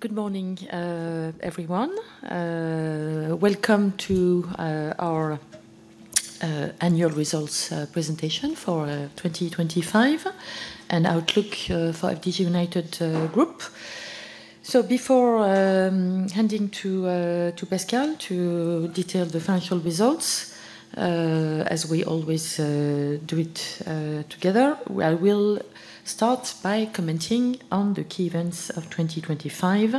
Good morning, everyone. Welcome to our annual results presentation for 2025 and outlook for FDJ United Group. Before handing to Pascal to detail the financial results, as we always do it together, I will start by commenting on the key events of 2025,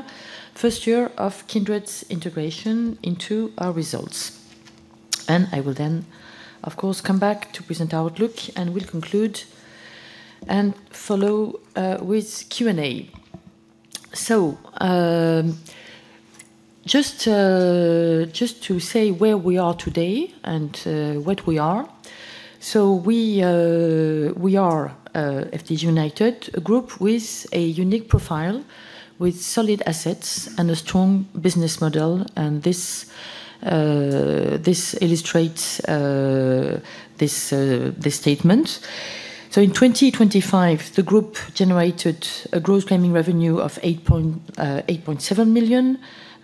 first year of Kindred's integration into our results. And I will then, of course, come back to present our outlook, and we'll conclude and follow with Q&A. Just to say where we are today and what we are. We are FDJ United, a group with a unique profile, with solid assets and a strong business model, and this statement. In 2025, the group generated a gross gaming revenue of 8.7 million,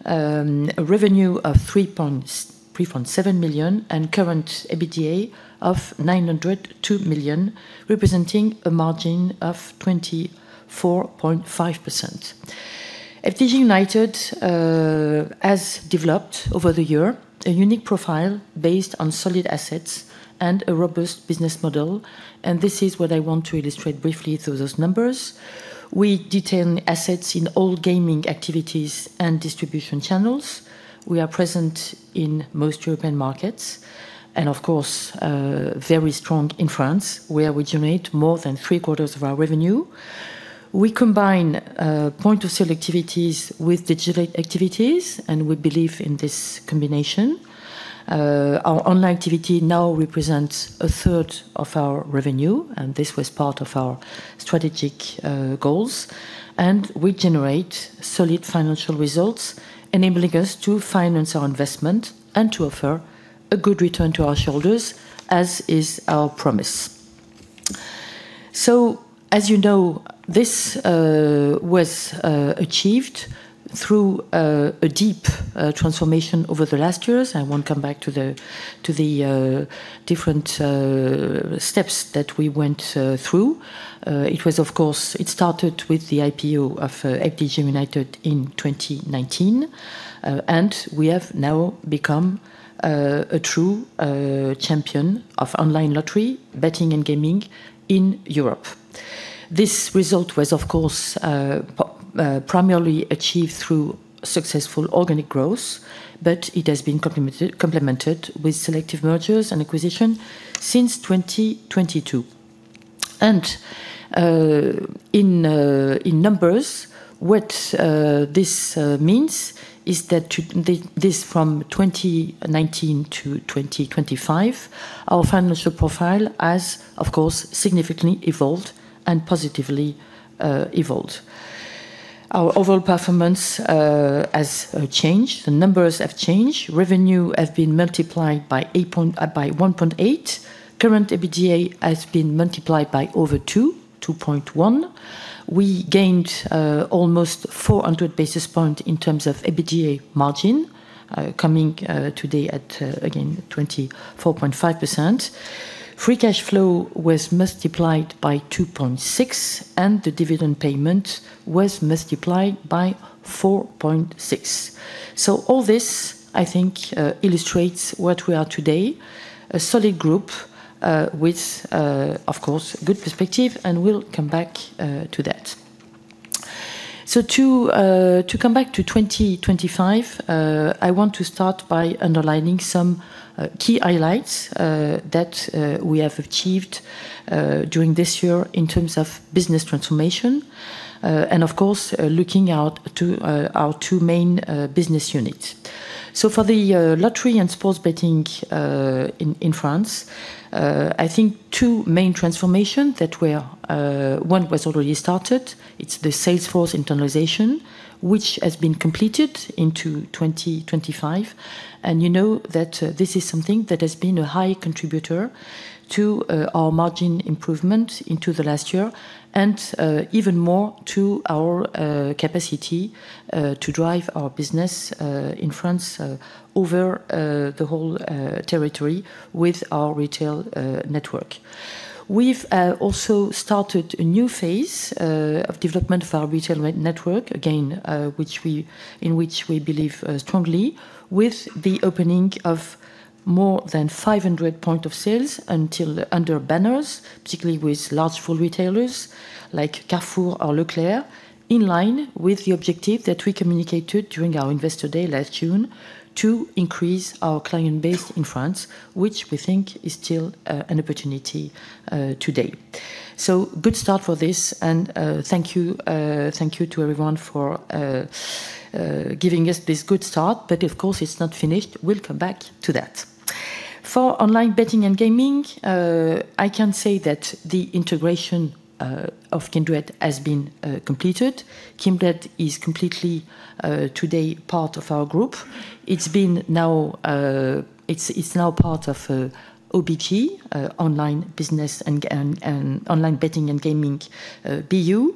a revenue of 3.7 million, and current EBITDA of 902 million, representing a margin of 24.5%. FDJ United has developed over the year a unique profile based on solid assets and a robust business model, and this is what I want to illustrate briefly through those numbers. We detail assets in all gaming activities and distribution channels. We are present in most European markets and, of course, very strong in France, where we generate more than three-quarters of our revenue. We combine point-of-sale activities with digital activities, and we believe in this combination. Our online activity now represents a third of our revenue, and this was part of our strategic goals. And we generate solid financial results, enabling us to finance our investment and to offer a good return to our shareholders, as is our promise. So as you know, this was achieved through a deep transformation over the last years. I won't come back to the different steps that we went through. It was, of course, it started with the IPO of FDJ United in 2019. And we have now become a true champion of online lottery, betting, and gaming in Europe. This result was, of course, primarily achieved through successful organic growth, but it has been complemented, complemented with selective mergers and acquisition since 2022. In numbers, what this means is that this from 2019 to 2025, our financial profile has, of course, significantly evolved and positively evolved. Our overall performance has changed. The numbers have changed. Revenue has been multiplied by one point eight. Current EBITDA has been multiplied by over two, 2.1. We gained almost 400 basis points in terms of EBITDA margin, coming today at again 24.5%. Free cash flow was multiplied by 2.6, and the dividend payment was multiplied by 4.6. So all this, I think, illustrates what we are today, a solid group, with of course good perspective, and we'll come back to that. So to come back to 2025, I want to start by underlining some key highlights that we have achieved during this year in terms of business transformation, and of course, looking out to our two main business units. So for the lottery and sports betting in France, I think two main transformation that were, one was already started. It's the Salesforce internalization, which has been completed into 2025, and you know that this is something that has been a high contributor to our margin improvement into the last year and even more to our capacity to drive our business in France over the whole territory with our retail network. We've also started a new phase of development of our retail network, again, in which we believe strongly, with the opening of more than 500 point of sales under banners, particularly with large full retailers like Carrefour or Leclerc, in line with the objective that we communicated during our Investor Day last June to increase our client base in France, which we think is still an opportunity today. So good start for this, and thank you, thank you to everyone for giving us this good start. But of course, it's not finished. We'll come back to that.... For online betting and gaming, I can say that the integration of Kindred has been completed. Kindred is completely today part of our group. It's now part of OBG, Online Business and Online Betting and Gaming BU.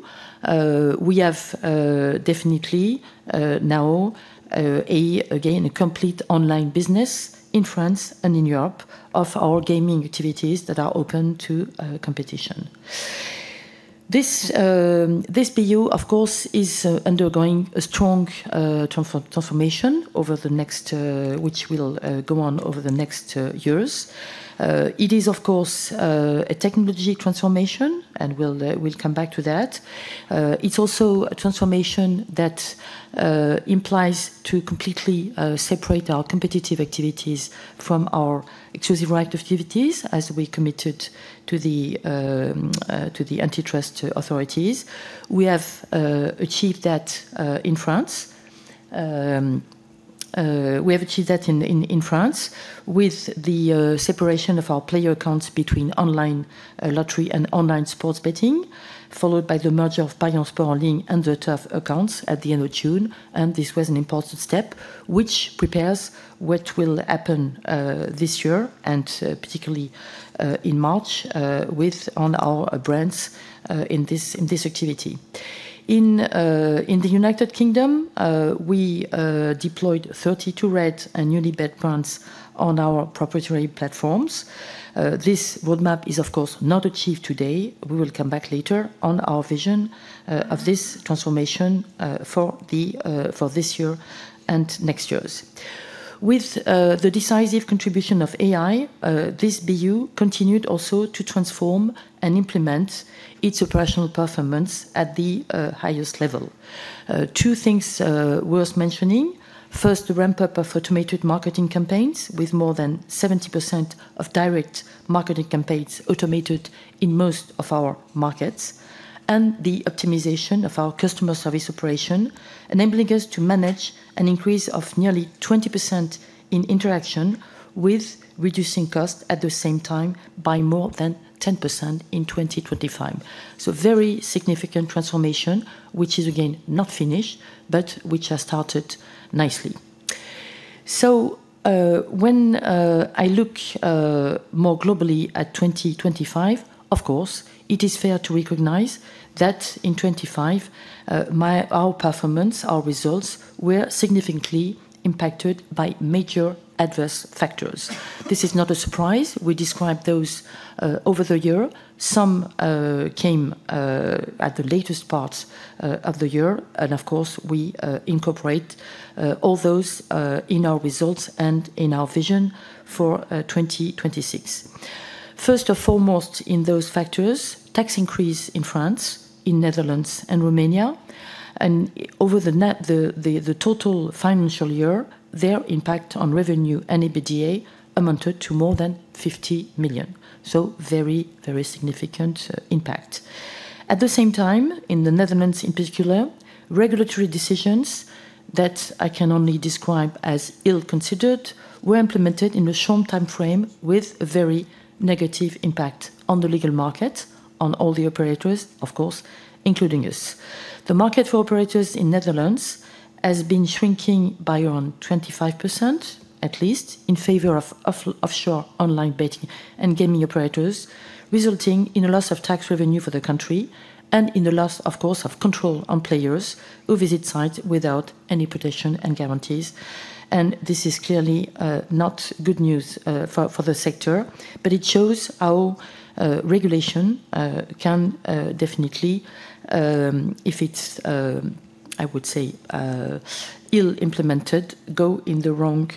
We have definitely now, again, a complete online business in France and in Europe of our gaming activities that are open to competition. This BU, of course, is undergoing a strong transformation over the next, which will go on over the next years. It is, of course, a technology transformation, and we'll come back to that. It's also a transformation that implies to completely separate our competitive activities from our exclusive right activities, as we committed to the antitrust authorities. We have achieved that in France. We have achieved that in France with the separation of our player accounts between online lottery and online sports betting, followed by the merger of Parions Sport En Ligne and ZEturf accounts at the end of June, and this was an important step, which prepares what will happen this year and particularly in March with all our brands in this activity. In the United Kingdom, we deployed 32Red and Unibet brands on our proprietary platforms. This roadmap is, of course, not achieved today. We will come back later on our vision of this transformation for this year and next years. With the decisive contribution of AI, this BU continued also to transform and implement its operational performance at the highest level. Two things worth mentioning: First, the ramp-up of automated marketing campaigns, with more than 70% of direct marketing campaigns automated in most of our markets, and the optimization of our customer service operation, enabling us to manage an increase of nearly 20% in interaction with reducing costs at the same time by more than 10% in 2025. So very significant transformation, which is, again, not finished, but which has started nicely. So, when I look more globally at 2025, of course, it is fair to recognize that in 25, our performance, our results were significantly impacted by major adverse factors. This is not a surprise. We described those over the year. Some came at the latest parts of the year, and of course, we incorporate all those in our results and in our vision for 2026. First and foremost, in those factors, tax increase in France, in Netherlands, and Romania, and over the net, the total financial year, their impact on revenue and EBITDA amounted to more than 50 million. So very, very significant impact. At the same time, in the Netherlands, in particular, regulatory decisions that I can only describe as ill-considered were implemented in a short time frame with a very negative impact on the legal market, on all the operators, of course, including us. The market for operators in Netherlands has been shrinking by around 25%, at least, in favor of offshore online betting and gaming operators, resulting in a loss of tax revenue for the country and in the loss, of course, of control on players who visit sites without any protection and guarantees. This is clearly not good news for the sector, but it shows how regulation can definitely, if it's, I would say, ill-implemented, go in the wrong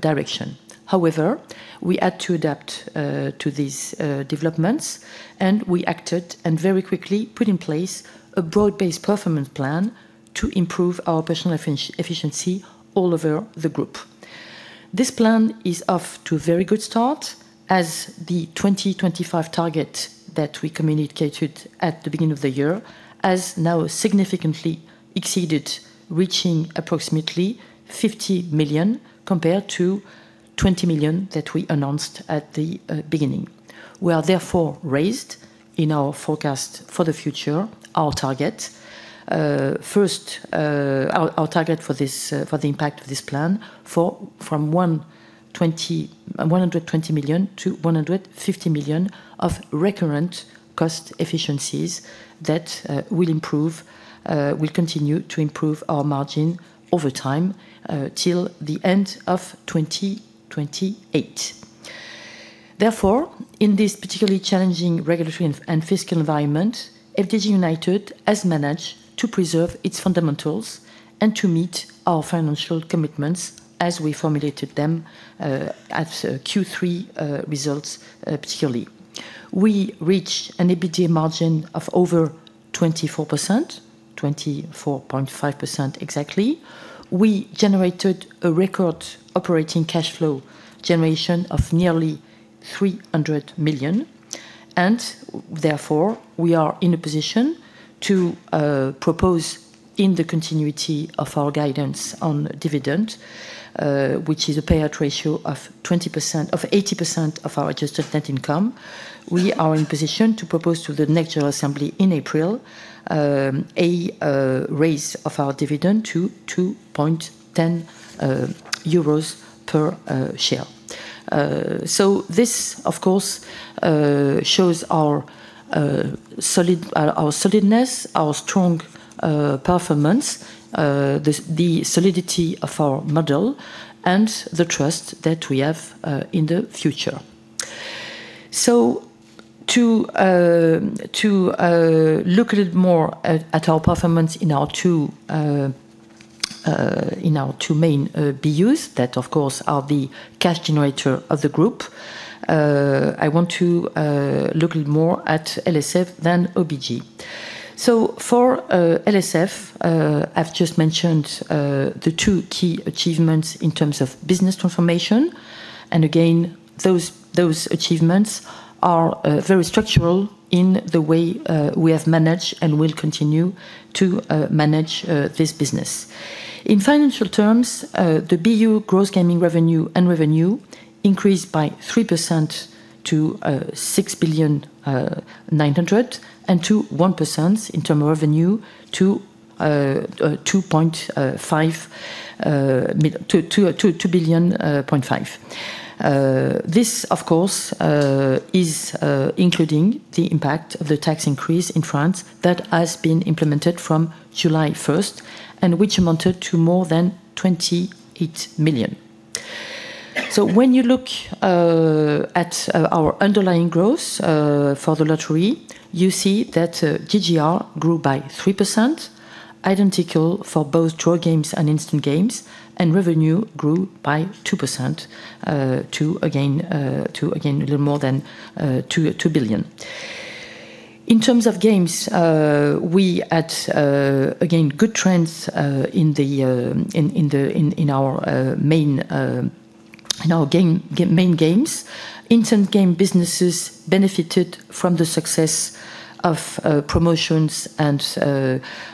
direction. However, we had to adapt to these developments, and we acted and very quickly put in place a broad-based performance plan to improve our operational efficiency all over the group. This plan is off to a very good start, as the 2025 target that we communicated at the beginning of the year has now significantly exceeded, reaching approximately 50 million, compared to 20 million that we announced at the beginning. We have therefore raised in our forecast for the future our target. First, our target for this, for the impact of this plan from 120 million to 150 million of recurrent cost efficiencies that will continue to improve our margin over time, till the end of 2028. Therefore, in this particularly challenging regulatory and fiscal environment, FDJ United has managed to preserve its fundamentals and to meet our financial commitments as we formulated them at Q3 results, particularly. We reached an EBITDA margin of over 24%, 24.5% exactly. We generated a record operating cash flow generation of nearly 300 million, and therefore, we are in a position to propose in the continuity of our guidance on dividend, which is a payout ratio of 20%-- of 80% of our adjusted net income. We are in position to propose to the next General Assembly in April, a raise of our dividend to 2.10 euros per share. So this, of course, shows our solid, our solidness, our strong performance, the solidity of our model and the trust that we have in the future. So to look a little more at our performance in our two main BUs, that of course are the cash generator of the group. I want to look a little more at LSF than OBG. So for LSF, I've just mentioned the two key achievements in terms of business transformation. And again, those achievements are very structural in the way we have managed and will continue to manage this business. In financial terms, the BU gross gaming revenue and revenue increased by 3% to 6.902 billion and 2.1% in term of revenue to 2.5 billion. This of course is including the impact of the tax increase in France that has been implemented from July 1st, and which amounted to more than 28 million. So when you look at our underlying growth for the lottery, you see that GGR grew by 3%, identical for both draw games and instant games, and revenue grew by 2% to again, to again, a little more than 2 billion. In terms of games, we had again good trends in our main games. Instant game businesses benefited from the success of promotions and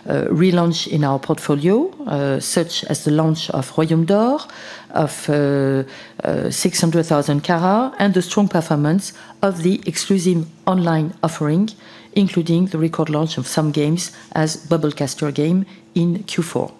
relaunch in our portfolio, such as the launch of Royaume d'Or, of 600,000 Carats, and the strong performance of the exclusive online offering, including the record launch of some games as Bubble Cluster game in Q4.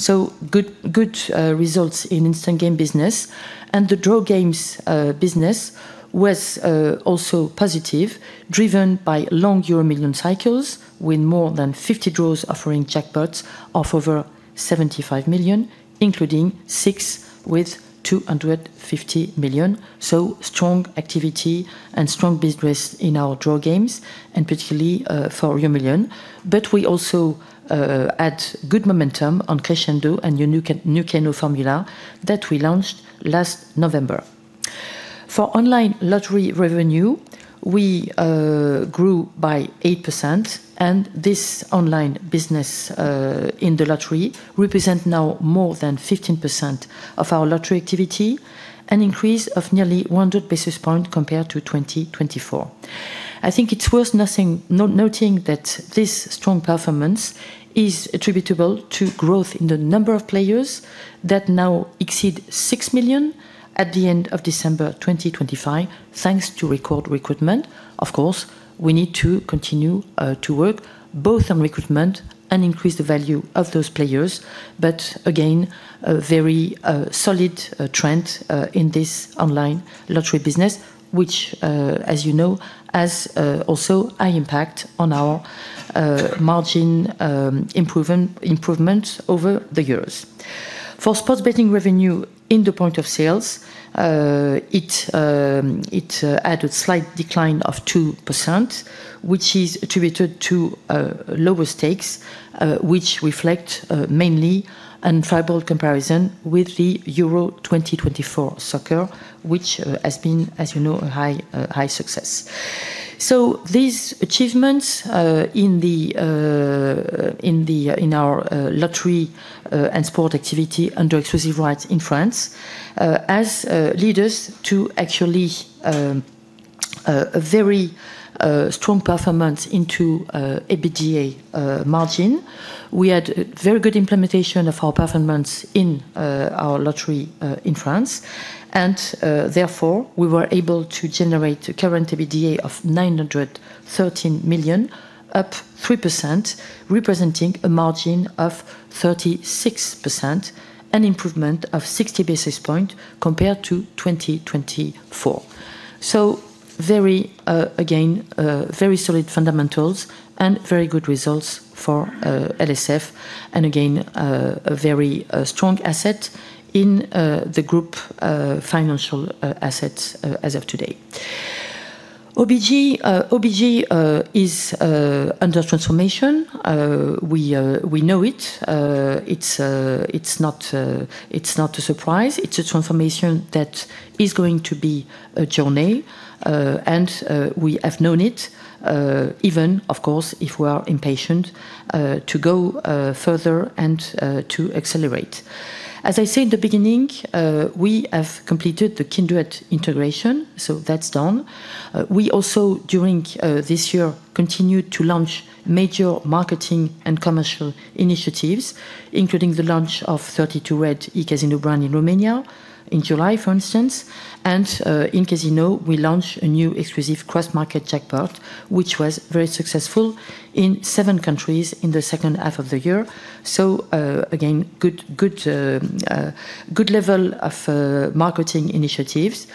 So good, good results in instant game business. And the draw games business was also positive, driven by long EuroMillions cycles, with more than 50 draws offering jackpots of over 75 million, including six with 250 million. So strong activity and strong business in our draw games, and particularly for EuroMillions. But we also had good momentum on Crescendo and new Keno, new Keno formula that we launched last November. For online lottery revenue, we grew by 8%, and this online business in the lottery represent now more than 15% of our lottery activity, an increase of nearly 100 basis points compared to 2024. I think it's worth noting that this strong performance is attributable to growth in the number of players that now exceed 6 million at the end of December 2025, thanks to record recruitment. Of course, we need to continue to work both on recruitment and increase the value of those players. But again, a very solid trend in this online lottery business, which, as you know, has also high impact on our margin improvement over the years. For sports betting revenue in the point of sales, it had a slight decline of 2%, which is attributed to lower stakes, which reflect mainly unfavorable comparison with the Euro 2024 soccer, which has been, as you know, a high success. So these achievements in our lottery and sport activity under exclusive rights in France, as leads to actually a very strong performance into EBITDA margin. We had very good implementation of our performance in our lottery in France, and therefore, we were able to generate a current EBITDA of 913 million, up 3%, representing a margin of 36%, an improvement of sixty basis points compared to 2024. So very again very solid fundamentals and very good results for LSF, and again a very strong asset in the group financial assets as of today. OBG is under transformation. We know it. It's not a surprise. It's a transformation that is going to be a journey, and we have known it, even of course if we are impatient to go further and to accelerate. As I said in the beginning, we have completed the Kindred integration, so that's done. We also during this year continued to launch major marketing and commercial initiatives, including the launch of 32Red eCasino brand in Romania in July, for instance. And in casino, we launched a new exclusive cross-market jackpot, which was very successful in seven countries in the second half of the year. So, again, good, good, good level of, marketing initiatives.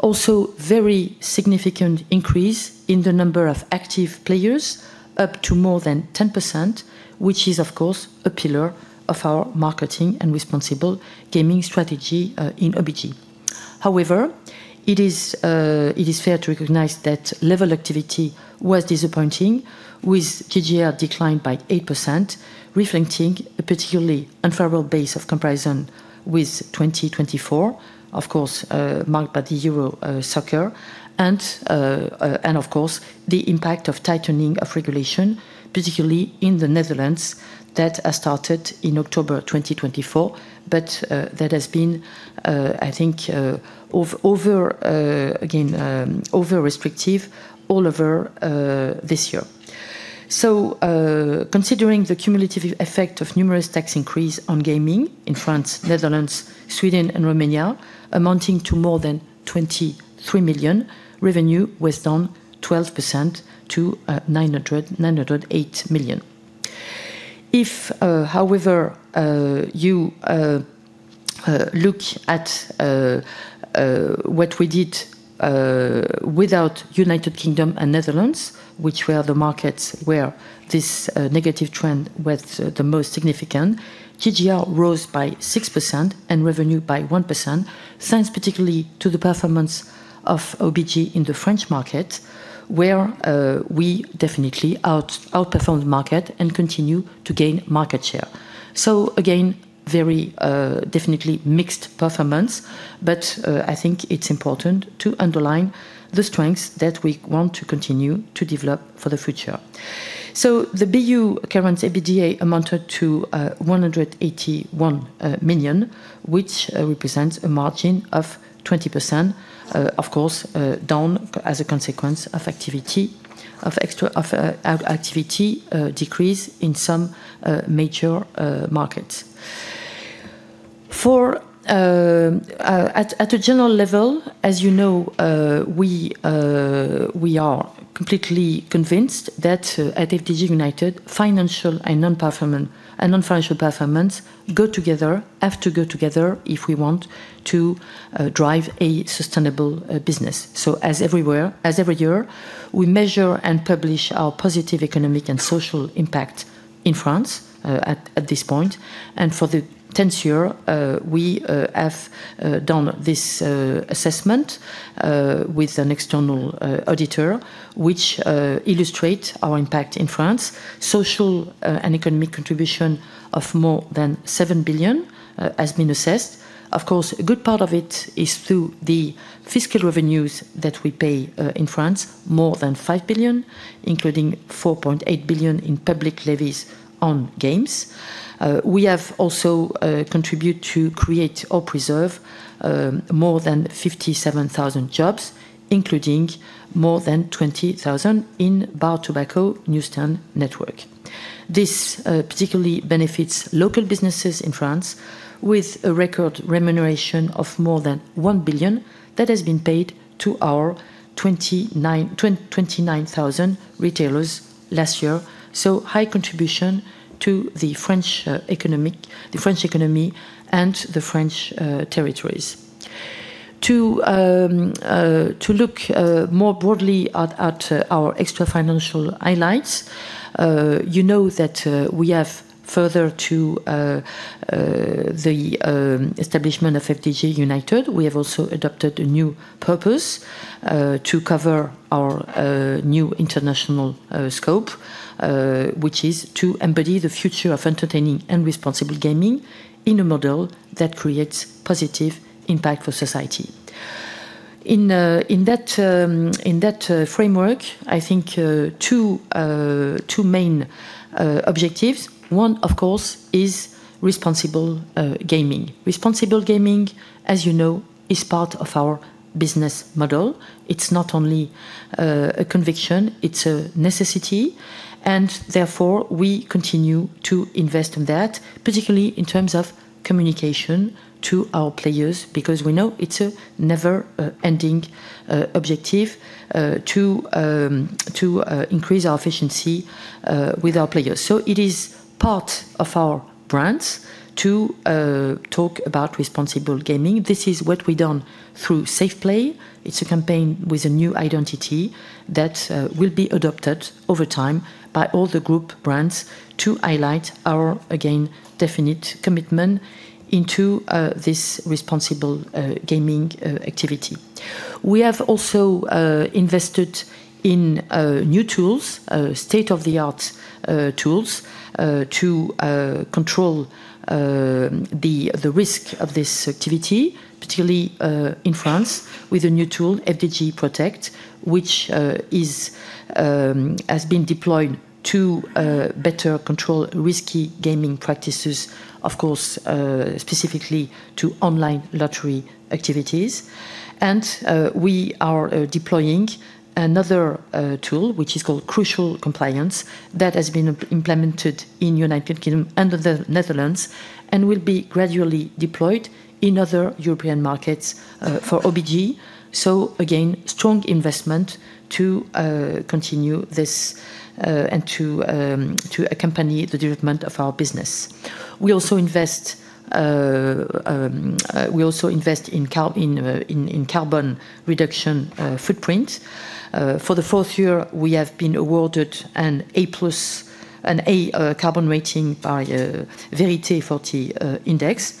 Also, very significant increase in the number of active players, up to more than 10%, which is, of course, a pillar of our marketing and responsible gaming strategy, in OBG. However, it is, it is fair to recognize that level activity was disappointing, with GGR declined by 8%, reflecting a particularly unfavorable base of comparison with 2024. Of course, marked by the Euro, soccer and, and of course, the impact of tightening of regulation, particularly in the Netherlands, that has started in October 2024. But, that has been, I think, over, again, over restrictive all over, this year. So, considering the cumulative effect of numerous tax increase on gaming in France, Netherlands, Sweden, and Romania, amounting to more than 23 million, revenue was down 12% to 908 million. If, however, you look at what we did, without United Kingdom and Netherlands, which were the markets where this negative trend was the most significant, GGR rose by 6% and revenue by 1%, thanks particularly to the performance of OBG in the French market, where, we definitely outperformed the market and continue to gain market share. So again, very definitely mixed performance, but I think it's important to underline the strengths that we want to continue to develop for the future. So the BU current EBITDA amounted to 181 million, which represents a margin of 20%, of course, down as a consequence of activity decrease in some major markets. At a general level, as you know, we are completely convinced that at FDJ United, financial and non-financial performance go together, have to go together if we want to drive a sustainable business. So as everywhere, as every year, we measure and publish our positive economic and social impact in France, at this point. For the 10th year, we have done this assessment with an external auditor, which illustrate our impact in France. Social and economic contribution of more than 7 billion has been assessed. Of course, a good part of it is through the fiscal revenues that we pay in France, more than 5 billion, including 4.8 billion in public levies on games. We have also contribute to create or preserve more than 57,000 jobs, including more than 20,000 in bar tobacco newsstand network. This particularly benefits local businesses in France with a record remuneration of more than 1 billion that has been paid to our 29,000 retailers last year. High contribution to the French economy and the French territories. To look more broadly at our extra-financial highlights, you know that we have further to the establishment of FDJ United. We have also adopted a new purpose to cover our new international scope, which is to embody the future of entertaining and responsible gaming in a model that creates positive impact for society. In that framework, I think two main objectives. One, of course, is responsible gaming. Responsible gaming, as you know, is part of our business model. It's not only a conviction, it's a necessity, and therefore, we continue to invest in that, particularly in terms of communication to our players, because we know it's a never ending objective to increase our efficiency with our players. So it is part of our brands to talk about responsible gaming. This is what we've done through Safe Play. It's a campaign with a new identity that will be adopted over time by all the group brands to highlight our, again, definite commitment into this responsible gaming activity. We have also invested in new tools, state-of-the-art tools, to control the risk of this activity, particularly in France, with a new tool, FDJ Protect, which has been deployed to better control risky gaming practices, of course, specifically to online lottery activities. And we are deploying another tool, which is called Crucial Compliance, that has been implemented in United Kingdom and the Netherlands, and will be gradually deployed in other European markets, for OBG. So again, strong investment to continue this and to accompany the development of our business. We also invest in carbon reduction footprint. For the fourth year, we have been awarded an A+, an A, carbon rating by V.E. CAC 40 Index.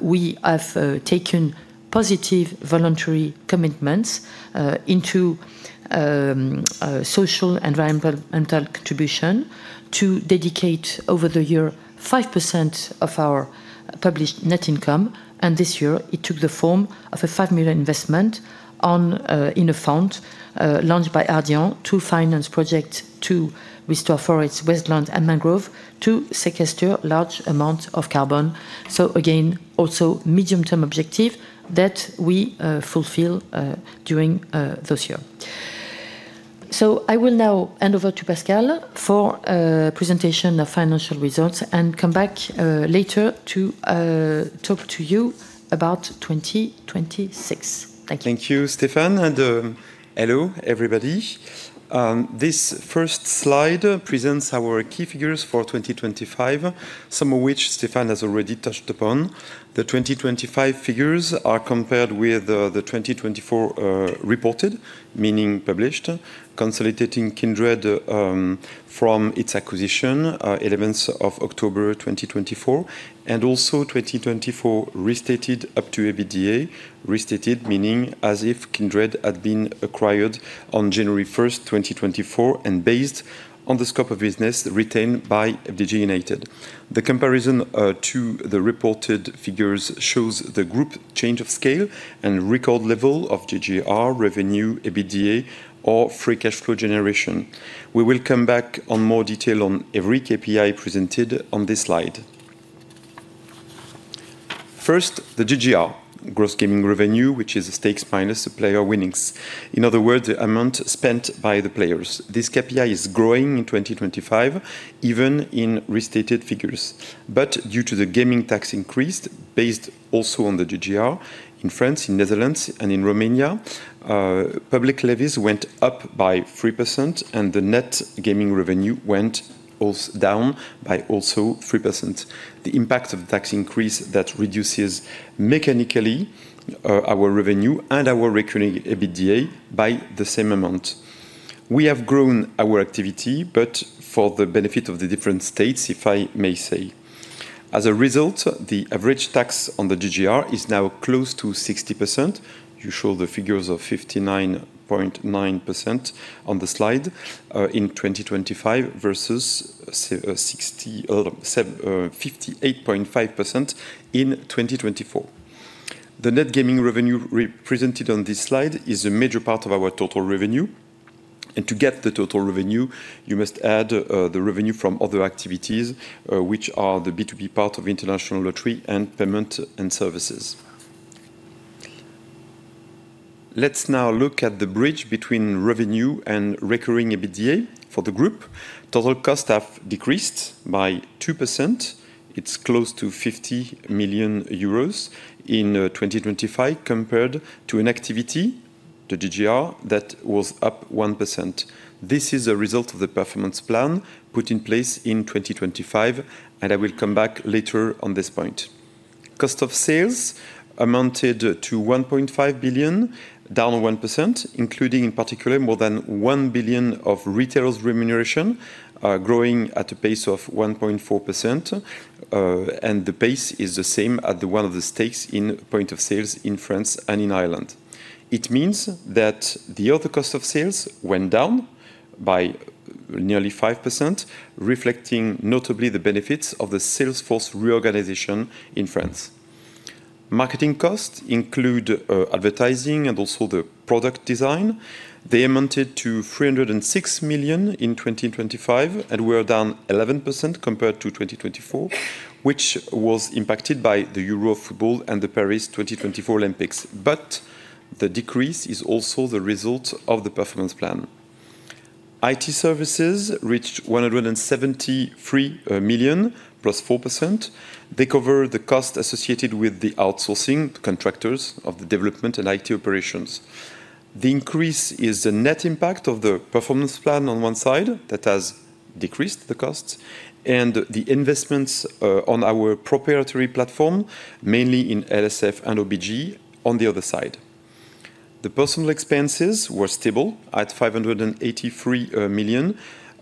We have taken positive voluntary commitments into social environmental contribution to dedicate, over the year, 5% of our published net income. And this year, it took the form of a 5 million investment in a fund launched by Ardian to finance project to restore forests, wastelands, and mangrove, to sequester large amounts of carbon. So again, also medium-term objective that we fulfill during this year. So I will now hand over to Pascal for a presentation of financial results and come back later to talk to you about 2026. Thank you. Thank you, Stéphane, hello, everybody. This first slide presents our key figures for 2025, some of which Stéphane has already touched upon. The 2025 figures are compared with the 2024 reported, meaning published, consolidating Kindred from its acquisition, 11th of October 2024, and also 2024 restated up to EBITDA. Restated meaning as if Kindred had been acquired on January first, 2024, and based on the scope of business retained by FDJ United. The comparison to the reported figures shows the group change of scale and record level of GGR revenue, EBITDA or free cash flow generation. We will come back on more detail on every KPI presented on this slide. First, the GGR, Gross Gaming Revenue, which is stakes minus the player winnings. In other words, the amount spent by the players. This KPI is growing in 2025, even in restated figures. Due to the gaming tax increase, based also on the GGR in France, in Netherlands, and in Romania, public levies went up by 3%, and the net gaming revenue went also down by 3%. The impact of tax increase reduces mechanically our revenue and our recurring EBITDA by the same amount. We have grown our activity, but for the benefit of the different states, if I may say. As a result, the average tax on the GGR is now close to 60%. You show the figures of 59.9% on the slide in 2025 versus 58.5% in 2024. The net gaming revenue represented on this slide is a major part of our total revenue, and to get the total revenue, you must add the revenue from other activities, which are the B2B part of international lottery and payment and services. Let's now look at the bridge between revenue and recurring EBITDA for the group. Total costs have decreased by 2%. It's close to 50 million euros in 2025, compared to an activity, the GGR, that was up 1%. This is a result of the performance plan put in place in 2025, and I will come back later on this point. Cost of sales amounted to 1.5 billion, down 1%, including in particular, more than 1 billion of retailers' remuneration, growing at a pace of 1.4%, and the pace is the same at one of the stakes in points of sale in France and in Ireland. It means that the other cost of sales went down by nearly 5%, reflecting notably the benefits of the sales force reorganization in France. Marketing costs include advertising and also the product design. They amounted to 306 million in 2025 and were down 11% compared to 2024, which was impacted by the Euro football and the Paris 2024 Olympics. But the decrease is also the result of the performance plan. IT services reached 173 million, +4%. They cover the cost associated with the outsourcing contractors of the development and IT operations. The increase is the net impact of the performance plan on one side, that has decreased the costs, and the investments on our proprietary platform, mainly in LSF and OBG, on the other side. The personnel expenses were stable at 583 million,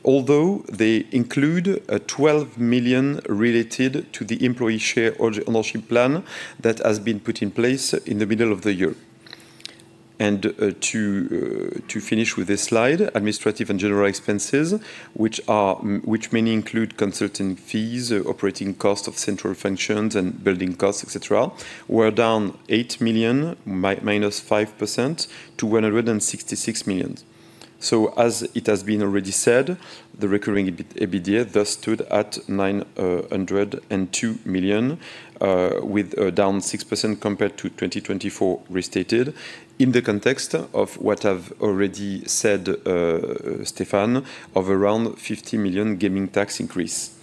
although they include 12 million related to the employee share ownership plan that has been put in place in the middle of the year. To finish with this slide, administrative and general expenses, which mainly include consulting fees, operating costs of central functions, and building costs, et cetera, were down 8 million, -5%, to 166 million. So as it has been already said, the recurring EBITDA thus stood at 902 million, with down 6% compared to 2024 restated, in the context of what I've already said, Stéphane, of around 50 million gaming tax increase.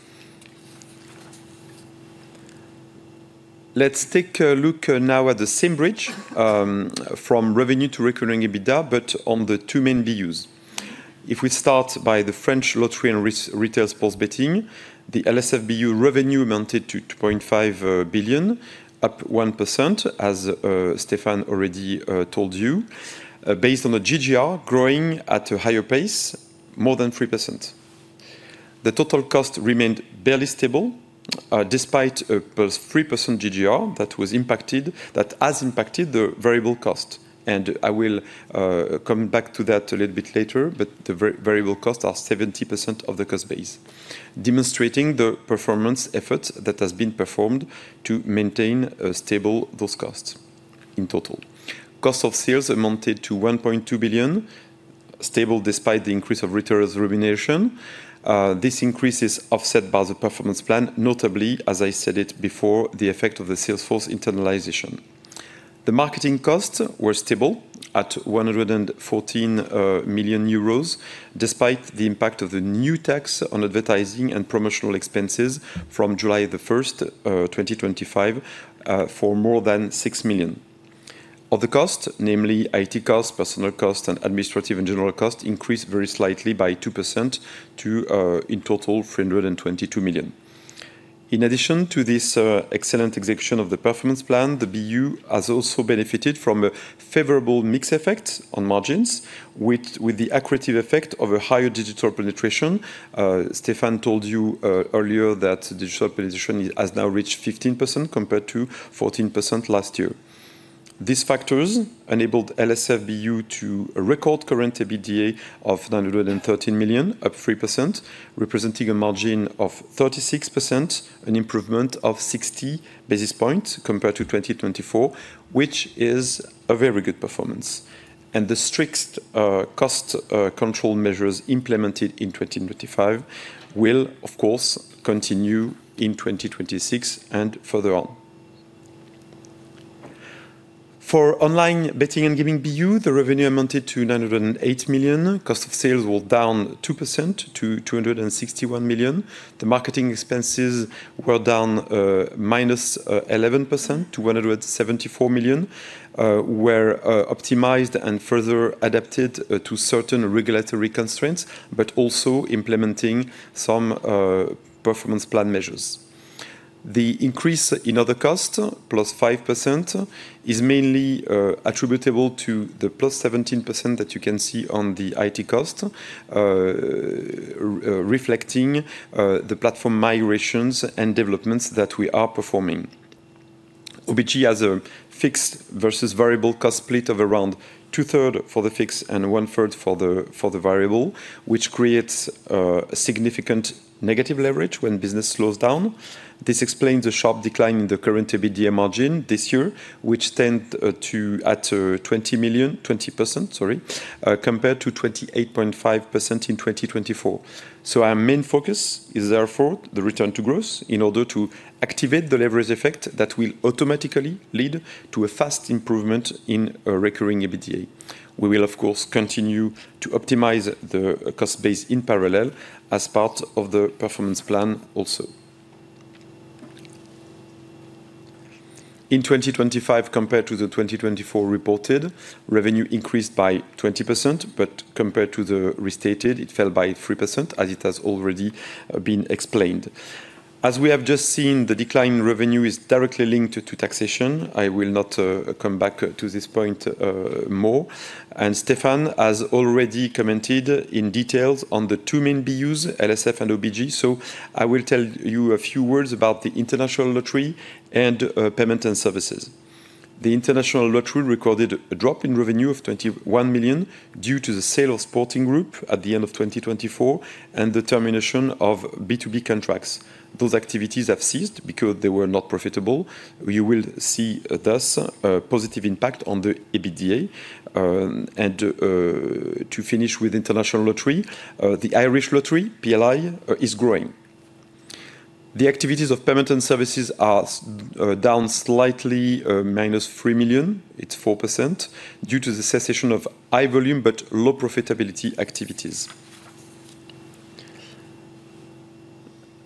Let's take a look now at the same bridge from revenue to recurring EBITDA, but on the two main BUs. If we start by the French Lottery and Retail Sports Betting, the LSF BU revenue amounted to 2.5 billion, up 1%, as Stéphane already told you. Based on the GGR growing at a higher pace, more than 3%. The total cost remained barely stable, despite a +3% GGR that was impacted-- that has impacted the variable cost. And I will come back to that a little bit later. But the variable costs are 70% of the cost base, demonstrating the performance effort that has been performed to maintain stable those costs in total. Cost of sales amounted to 1.2 billion, stable despite the increase of retailers' remuneration. This increase is offset by the performance plan, notably, as I said it before, the effect of the salesforce internalization. The marketing costs were stable at 114 million euros, despite the impact of the new tax on advertising and promotional expenses from July 1, 2025, for more than 6 million. Other costs, namely IT costs, personnel costs, and administrative and general costs, increased very slightly by 2% to, in total, 322 million. In addition to this, excellent execution of the performance plan, the BU has also benefited from a favorable mix effect on margins, with the accretive effect of a higher digital penetration. Stefan told you earlier that digital penetration has now reached 15%, compared to 14% last year. These factors enabled LSF BU to a record current EBITDA of 913 million, up 3%, representing a margin of 36%, an improvement of 60 basis points compared to 2024, which is a very good performance. The strict, cost control measures implemented in 2025 will, of course, continue in 2026 and further on. For Online Betting and Gaming BU, the revenue amounted to 908 million. Cost of sales were down 2% to 261 million. The marketing expenses were down, minus 11% to 174 million, were optimized and further adapted to certain regulatory constraints, but also implementing some performance plan measures. The increase in other costs, plus 5%, is mainly attributable to the plus 17% that you can see on the IT cost, reflecting the platform migrations and developments that we are performing. OBG has a fixed versus variable cost split of around two-thirds for the fixed and one-third for the variable, which creates a significant negative leverage when business slows down. This explains the sharp decline in the current EBITDA margin this year, which stand to at 20%—sorry, compared to 28.5% in 2024. So our main focus is therefore the return to growth in order to activate the leverage effect that will automatically lead to a fast improvement in recurring EBITDA. We will, of course, continue to optimize the cost base in parallel as part of the performance plan also. In 2025, compared to the 2024 reported, revenue increased by 20%, but compared to the restated, it fell by 3%, as it has already been explained. As we have just seen, the decline in revenue is directly linked to taxation. I will not come back to this point more. And Stéphane has already commented in details on the two main BUs, LSF and OBG. So I will tell you a few words about the International Lottery and Payment and Services. The International Lottery recorded a drop in revenue of 21 million due to the sale of Sporting Group at the end of 2024 and the termination of B2B contracts. Those activities have ceased because they were not profitable. We will see, thus, a positive impact on the EBITDA. To finish with International Lottery, the Irish Lottery, PLI, is growing. The activities of Payment and Services are down slightly, minus 3 million, it's 4%, due to the cessation of high volume but low profitability activities.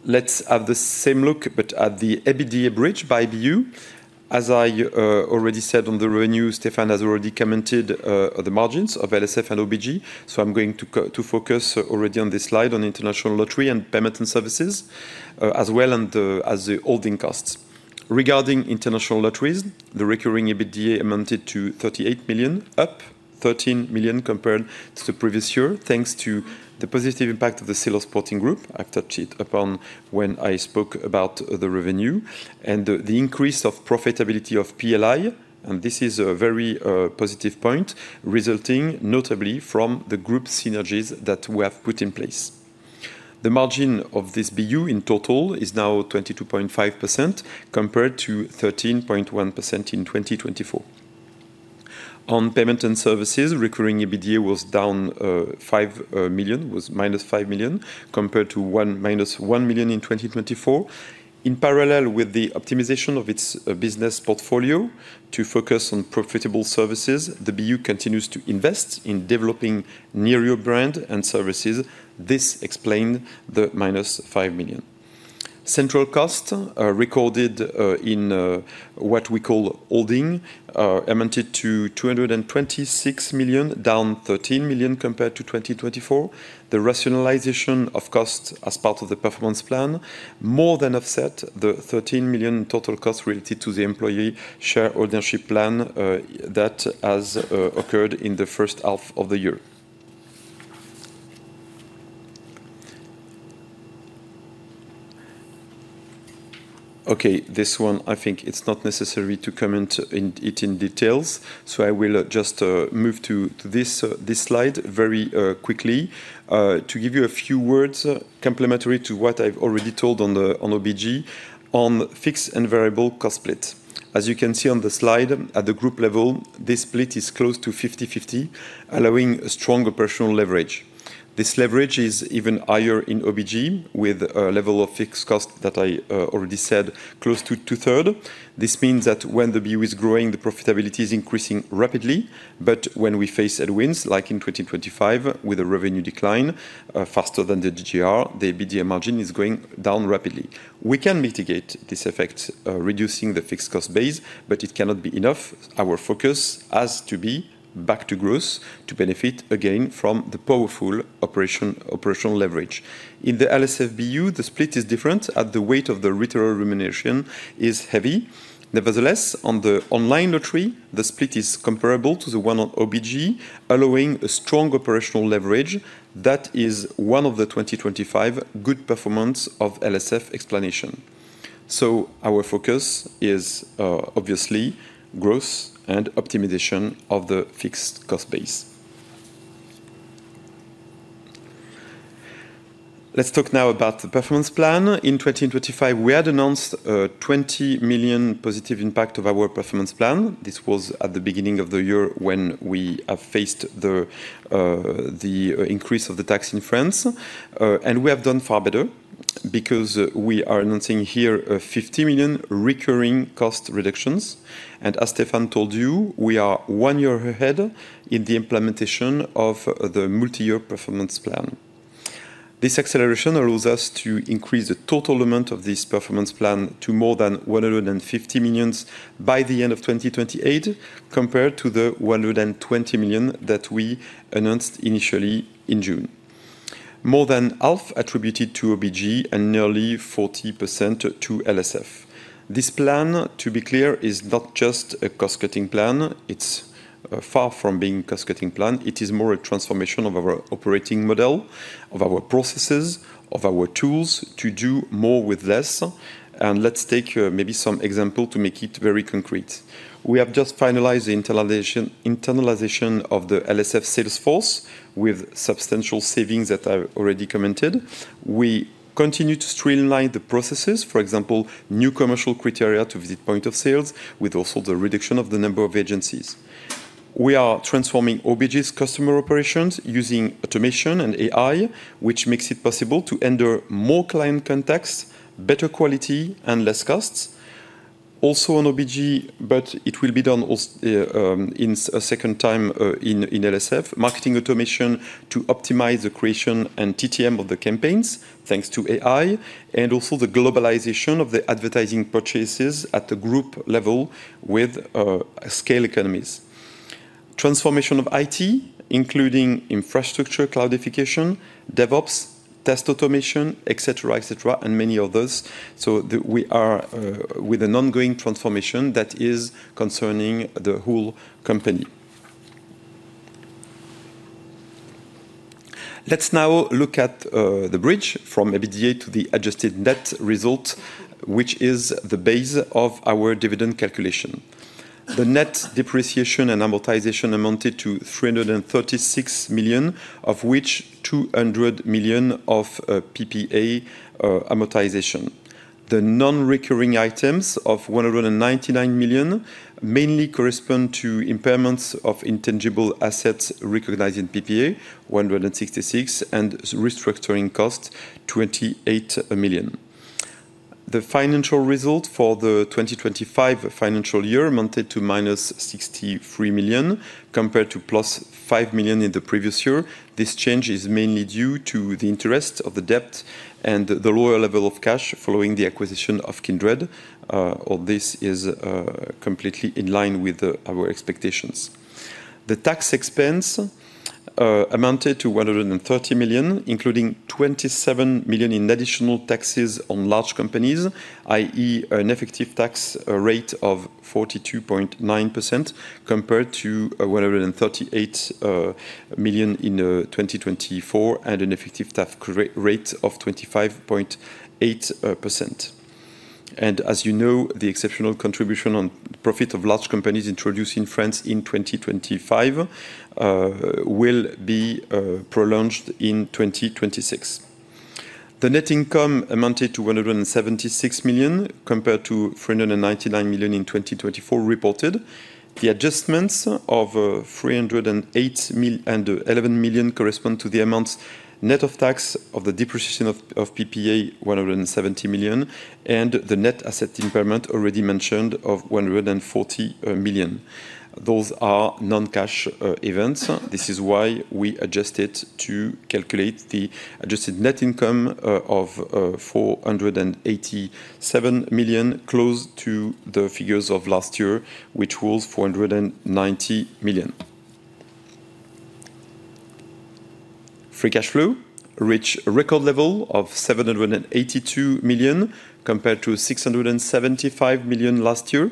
Let's have the same look, but at the EBITDA bridge by BU. As I already said on the revenue, Stéphane has already commented on the margins of LSF and OBG. So I'm going to come to focus already on this slide on International Lottery and Payment and Services, as well, and as the holding costs. Regarding International Lotteries, the recurring EBITDA amounted to 38 million, up 13 million compared to the previous year, thanks to the positive impact of the Seller Supporting Group. I've touched it upon when I spoke about the revenue and the, the increase of profitability of PLI, and this is a very positive point, resulting notably from the group synergies that we have put in place. The margin of this BU in total is now 22.5%, compared to 13.1% in 2024. On payment and services, recurring EBITDA was down five million, was minus five million, compared to minus one million in 2024. In parallel with the optimization of its business portfolio to focus on profitable services, the BU continues to invest in developing Nirio brand and services. This explained the minus 5 million. Central cost recorded in what we call holding amounted to 226 million, down 13 million compared to 2024. The rationalization of cost as part of the performance plan more than offset the 13 million total cost related to the employee share ownership plan that has occurred in the first half of the year. Okay, this one, I think it's not necessary to comment in it in details, so I will just move to this slide very quickly. To give you a few words complimentary to what I've already told on the OBG, on fixed and variable cost split. As you can see on the slide, at the group level, this split is close to 50/50, allowing a strong operational leverage. This leverage is even higher in OBG, with a level of fixed cost that I already said, close to two-thirds. This means that when the BU is growing, the profitability is increasing rapidly. But when we face headwinds, like in 2025, with a revenue decline faster than the GGR, the EBITDA margin is going down rapidly. We can mitigate this effect reducing the fixed cost base, but it cannot be enough. Our focus has to be back to growth to benefit again from the powerful operation, operational leverage. In the LSFBU, the split is different at the weight of the retail remuneration is heavy. Nevertheless, on the online lottery, the split is comparable to the one on OBG, allowing a strong operational leverage. That is one of the 2025 good performance of LSF explanation. So our focus is, obviously, growth and optimization of the fixed cost base. Let's talk now about the performance plan. In 2025, we had announced, twenty million positive impact of our performance plan. This was at the beginning of the year when we have faced the, the increase of the tax in France. And we have done far better because we are announcing here, fifty million recurring cost reductions. And as Stéphane told you, we are one year ahead in the implementation of the multi-year performance plan. This acceleration allows us to increase the total amount of this performance plan to more than 150 million by the end of 2028, compared to the 120 million that we announced initially in June. More than half attributed to OBG and nearly 40% to LSF. This plan, to be clear, is not just a cost-cutting plan. It's far from being cost-cutting plan. It is more a transformation of our operating model, of our processes, of our tools, to do more with less. And let's take maybe some example to make it very concrete. We have just finalized the internalization of the LSF sales force with substantial savings that I already commented. We continue to streamline the processes. For example, new commercial criteria to visit points of sale, with also the reduction of the number of agencies. We are transforming OBG's customer operations using automation and AI, which makes it possible to handle more client contacts, better quality, and less costs. Also on OBG, but it will be done in a second time, in LSF, marketing automation to optimize the creation and TTM of the campaigns, thanks to AI, and also the globalization of the advertising purchases at the group level with scale economies. Transformation of IT, including infrastructure, cloudification, DevOps, test automation, et cetera, et cetera, and many others. So we are with an ongoing transformation that is concerning the whole company. Let's now look at the bridge from EBITDA to the adjusted net result, which is the base of our dividend calculation. The net depreciation and amortization amounted to 336 million, of which 200 million of PPA amortization. The non-recurring items of 199 million mainly correspond to impairments of intangible assets recognized in PPA, 166 million, and restructuring costs, 28 million. The financial result for the 2025 financial year amounted to -63 million, compared to +5 million in the previous year. This change is mainly due to the interest of the debt and the lower level of cash following the acquisition of Kindred, or this is completely in line with our expectations. The tax expense amounted to 130 million, including 27 million in additional taxes on large companies, i.e., an effective tax rate of 42.9%, compared to 138 million in 2024, and an effective tax rate of 25.8%. As you know, the exceptional contribution on profit of large companies introduced in France in 2025 will be prolonged in 2026. The net income amounted to 176 million, compared to 399 million in 2024 reported. The adjustments of 308 and 11 million correspond to the amounts net of tax of the depreciation of PPA, 170 million, and the net asset impairment already mentioned of 140 million. Those are non-cash events. This is why we adjusted to calculate the adjusted net income of 487 million, close to the figures of last year, which was 490 million. Free cash flow reached a record level of 782 million, compared to 675 million last year.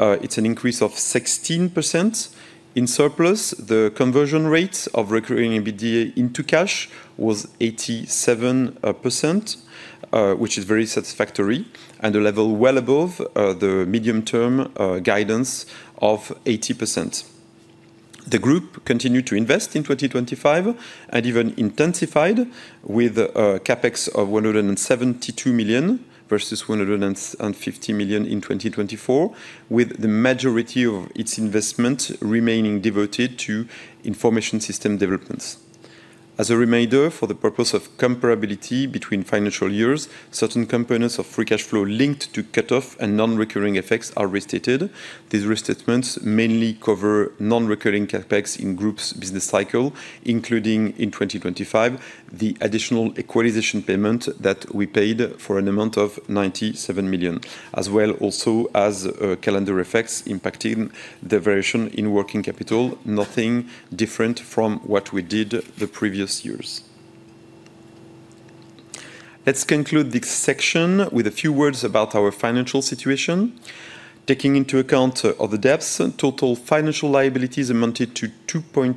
It's an increase of 16%. In surplus, the conversion rate of recurring EBITDA into cash was 87%, which is very satisfactory and a level well above the medium-term guidance of 80%. The group continued to invest in 2025 and even intensified with CapEx of 172 million versus 150 million in 2024, with the majority of its investment remaining devoted to information system developments. As a reminder, for the purpose of comparability between financial years, certain components of free cash flow linked to cut-off and non-recurring effects are restated. These restatements mainly cover non-recurring CapEx in group's business cycle, including in 2025, the additional equalization payment that we paid for an amount of 97 million, as well also as, calendar effects impacting the variation in working capital. Nothing different from what we did the previous years. Let's conclude this section with a few words about our financial situation. Taking into account, all the debts, total financial liabilities amounted to 2.3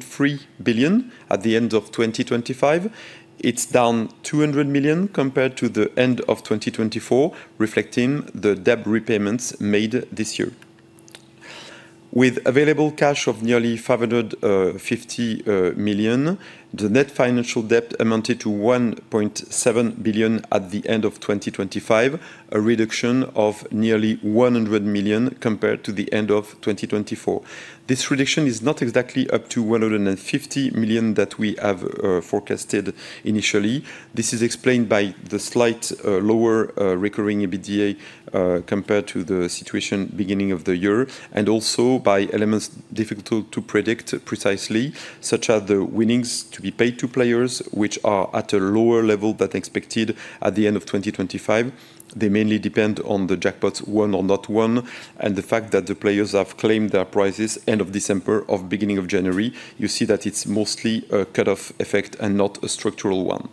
billion at the end of 2025. It's down 200 million compared to the end of 2024, reflecting the debt repayments made this year. With available cash of nearly 550 million, the net financial debt amounted to 1.7 billion at the end of 2025, a reduction of nearly 100 million compared to the end of 2024. This reduction is not exactly up to 150 million that we have forecasted initially. This is explained by the slight lower recurring EBITDA compared to the situation beginning of the year, and also by elements difficult to predict precisely, such as the winnings to be paid to players, which are at a lower level than expected at the end of 2025. They mainly depend on the jackpots won or not won, and the fact that the players have claimed their prizes end of December or beginning of January, you see that it's mostly a cut-off effect and not a structural one.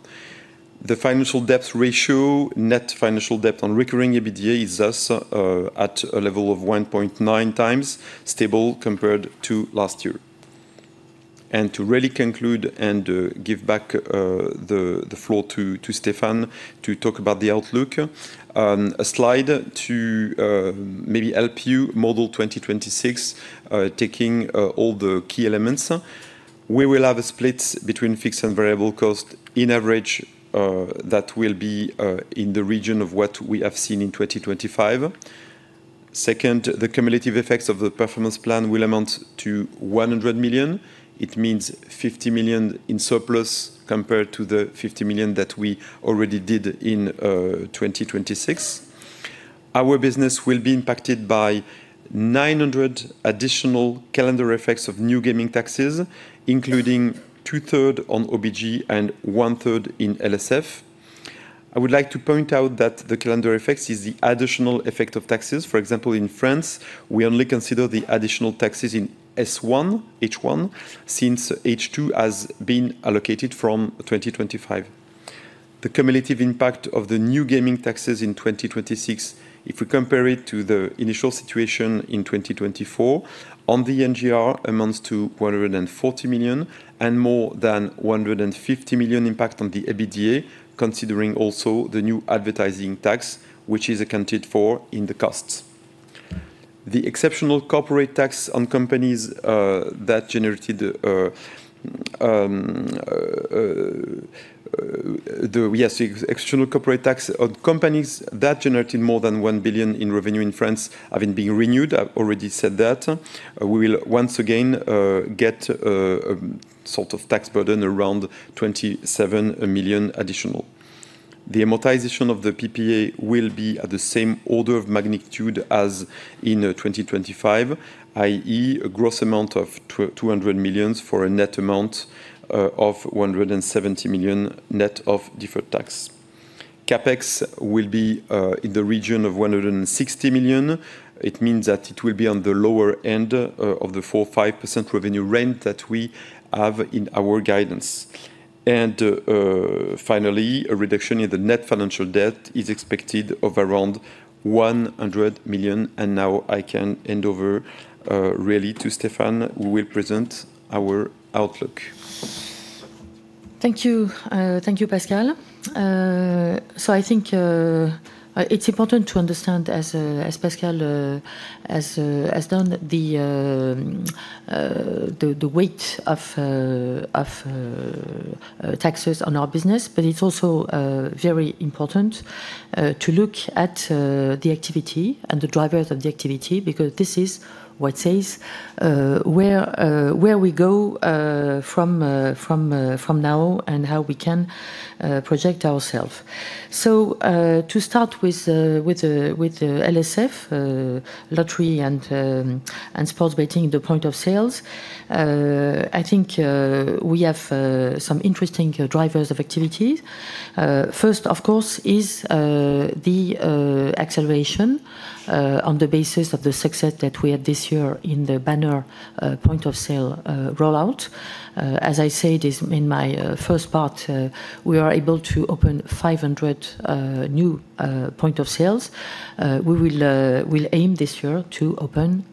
The financial debt ratio, net financial debt on recurring EBITDA, is thus at a level of 1.9 times, stable compared to last year. To really conclude and give back the floor to Stéphane to talk about the outlook, a slide to maybe help you model 2026, taking all the key elements. We will have a split between fixed and variable cost. In average, that will be in the region of what we have seen in 2025. Second, the cumulative effects of the performance plan will amount to 100 million. It means 50 million in surplus compared to the 50 million that we already did in 2026. Our business will be impacted by 900 additional calendar effects of new gaming taxes, including 2/3 on OBG and 1/3 in LSF. I would like to point out that the calendar effects is the additional effect of taxes. For example, in France, we only consider the additional taxes in S1, H1, since H2 has been allocated from 2025. The cumulative impact of the new gaming taxes in 2026, if we compare it to the initial situation in 2024, on the NGR amounts to 140 million, and more than 150 million impact on the EBITDA, considering also the new advertising tax, which is accounted for in the costs. The exceptional corporate tax on companies that generated more than 1 billion in revenue in France have been being renewed. I've already said that. We will once again get a sort of tax burden around 27 million additional. The amortization of the PPA will be at the same order of magnitude as in 2025, i.e., a gross amount of 200 million for a net amount of 170 million, net of deferred tax. CapEx will be in the region of 160 million. It means that it will be on the lower end of the 4%-5% revenue range that we have in our guidance. Finally, a reduction in the net financial debt is expected of around 100 million. Now I can hand over really to Stéphane, who will present our outlook. Thank you. Thank you, Pascal. So I think it's important to understand as Pascal has done the weight of taxes on our business. But it's also very important to look at the activity and the drivers of the activity, because this is what says where we go from now and how we can project ourself. So, to start with, LSF, Lottery and Sports Betting, the point of sales, I think, we have some interesting drivers of activities. First, of course, is the acceleration on the basis of the success that we had this year in the banner point of sale rollout. As I said in my first part, we are able to open 500 new point of sales. We will aim this year to open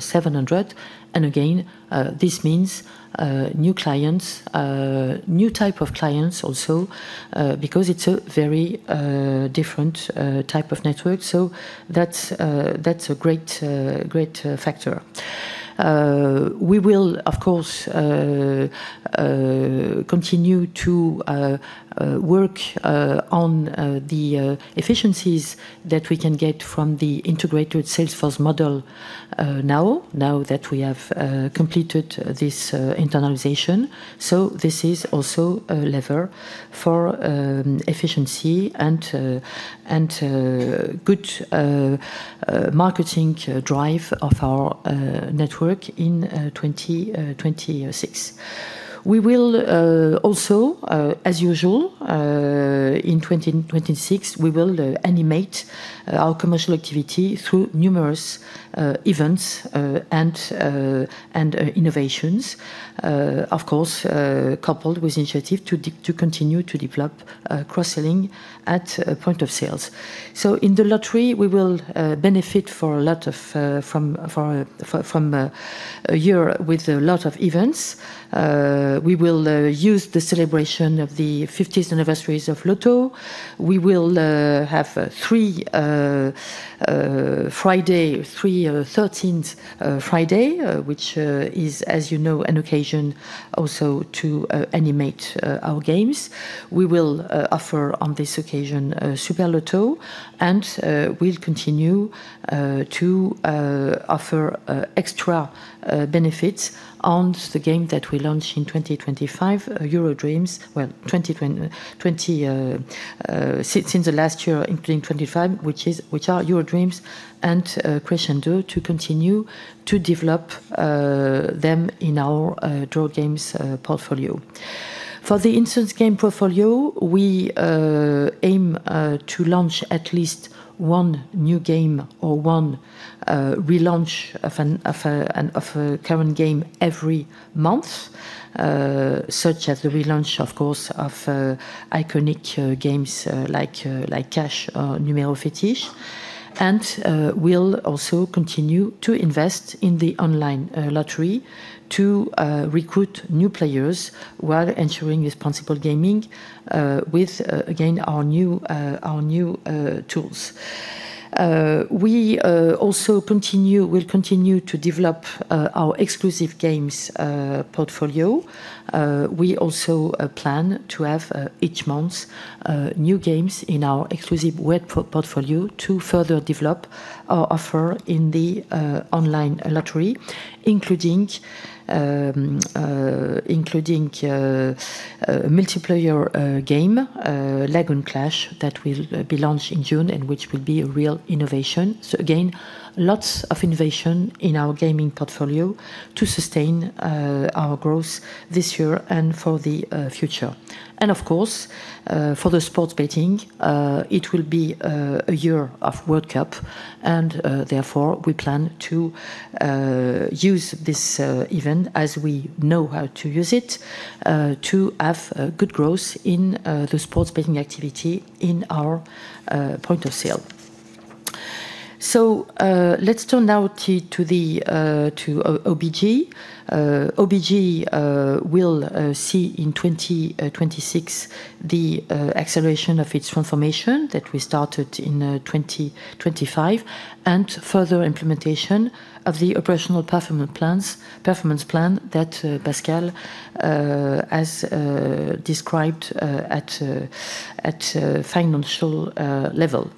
700, and again, this means new clients, new type of clients also, because it's a very different type of network. That's a great factor. We will, of course, continue to work on the efficiencies that we can get from the integrated salesforce model, now that we have completed this internalization. This is also a lever for efficiency and good marketing drive of our network in 2026. We will also, as usual, in 2026, we will animate our commercial activity through numerous events and innovations. Of course, coupled with initiatives to continue to develop cross-selling at point of sales. So in the lottery, we will benefit for a lot of from a year with a lot of events. We will use the celebration of the 50th anniversary of Loto. We will have three Friday the thirteenths, which, as you know, is an occasion also to animate our games. We will offer on this occasion Super Loto, and we'll continue to offer extra benefits on the game that we launched in 2025, EuroDreams. Well, 2020, since the last year, including 25, which are EuroDreams and Crescendo, to continue to develop them in our draw games portfolio. For the instant game portfolio, we aim to launch at least one new game or one relaunch of a current game every month, such as the relaunch, of course, of iconic games like Cash, Numéro Fétiche. And we'll also continue to invest in the online lottery to recruit new players while ensuring responsible gaming with again our new tools. We'll continue to develop our exclusive games portfolio. We also plan to have each month new games in our exclusive web portfolio to further develop our offer in the online lottery, including multiplayer game Lagoon Clash, that will be launched in June, and which will be a real innovation. So again, lots of innovation in our gaming portfolio to sustain our growth this year and for the future. And of course, for the sports betting, it will be a year of World Cup, and therefore, we plan to use this event, as we know how to use it, to have good growth in the sports betting activity in our point of sale. So, let's turn now to the OBG. OBG will see in 2026 the acceleration of its transformation that we started in 2025, and further implementation of the operational performance plans, performance plan that Pascal has described at financial level.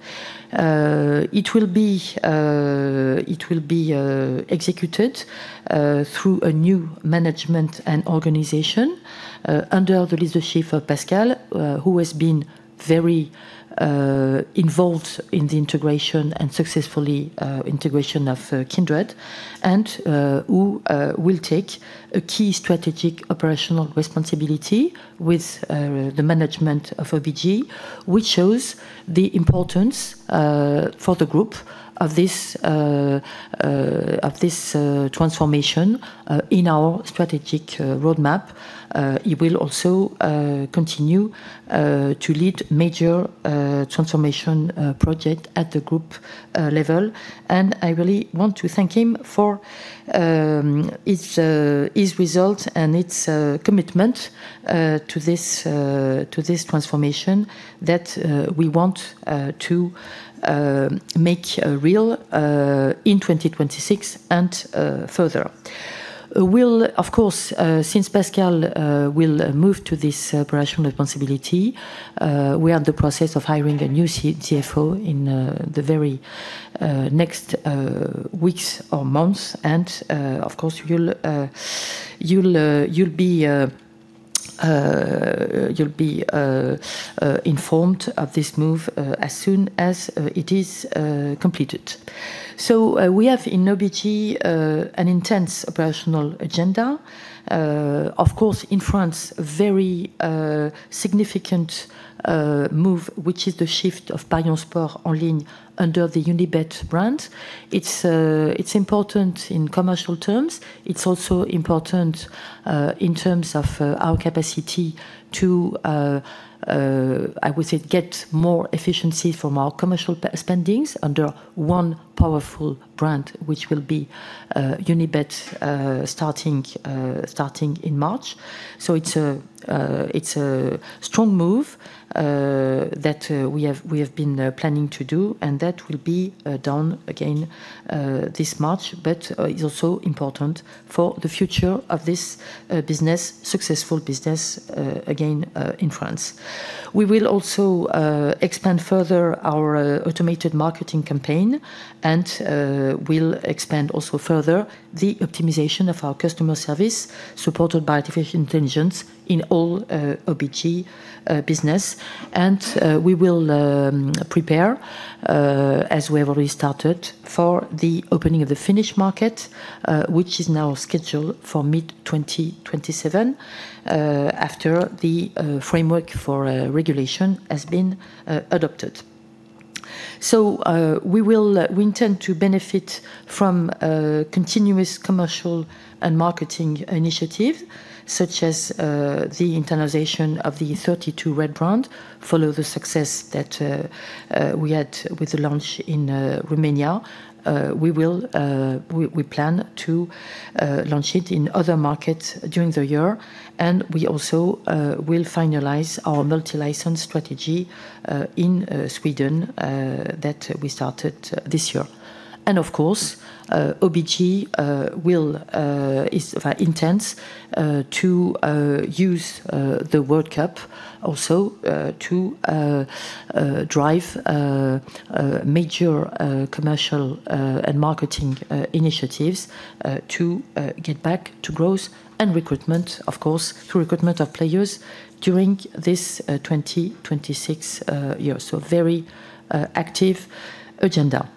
It will be executed through a new management and organization under the leadership of Pascal, who has been very involved in the integration and successful integration of Kindred, and who will take a key strategic operational responsibility with the management of OBG, which shows the importance for the group of this transformation in our strategic roadmap. He will also continue to lead major transformation project at the group level. I really want to thank him for his results and his commitment to this transformation that we want to make real in 2026 and further. We'll, of course, since Pascal will move to this operational responsibility, we are in the process of hiring a new CFO in the very next weeks or months. And, of course, you'll be informed of this move as soon as it is completed. So, we have in OBG an intense operational agenda. Of course, in France, very significant move, which is the shift of Parions Sport En Ligne under the Unibet brand. It's important in commercial terms. It's also important, in terms of, our capacity to, I would say, get more efficiency from our commercial pa- spendings under one powerful brand, which will be, Unibet, starting in March. So it's a strong move, that we have been planning to do, and that will be done again this March. But it's also important for the future of this successful business again in France. We will also expand further our automated marketing campaign, and we'll expand also further the optimization of our customer service, supported by artificial intelligence in all OBG business. We will prepare, as we have already started, for the opening of the Finnish market, which is now scheduled for mid-2027, after the framework for regulation has been adopted. We intend to benefit from continuous commercial and marketing initiative, such as the internationalization of the 32Red brand, following the success that we had with the launch in Romania. We plan to launch it in other markets during the year, and we also will finalize our multi-license strategy in Sweden that we started this year. Of course, OBG will is very intense to use the World Cup also to drive major commercial and marketing initiatives to get back to growth and recruitment, of course, through recruitment of players during this 2026 year. So very active agenda.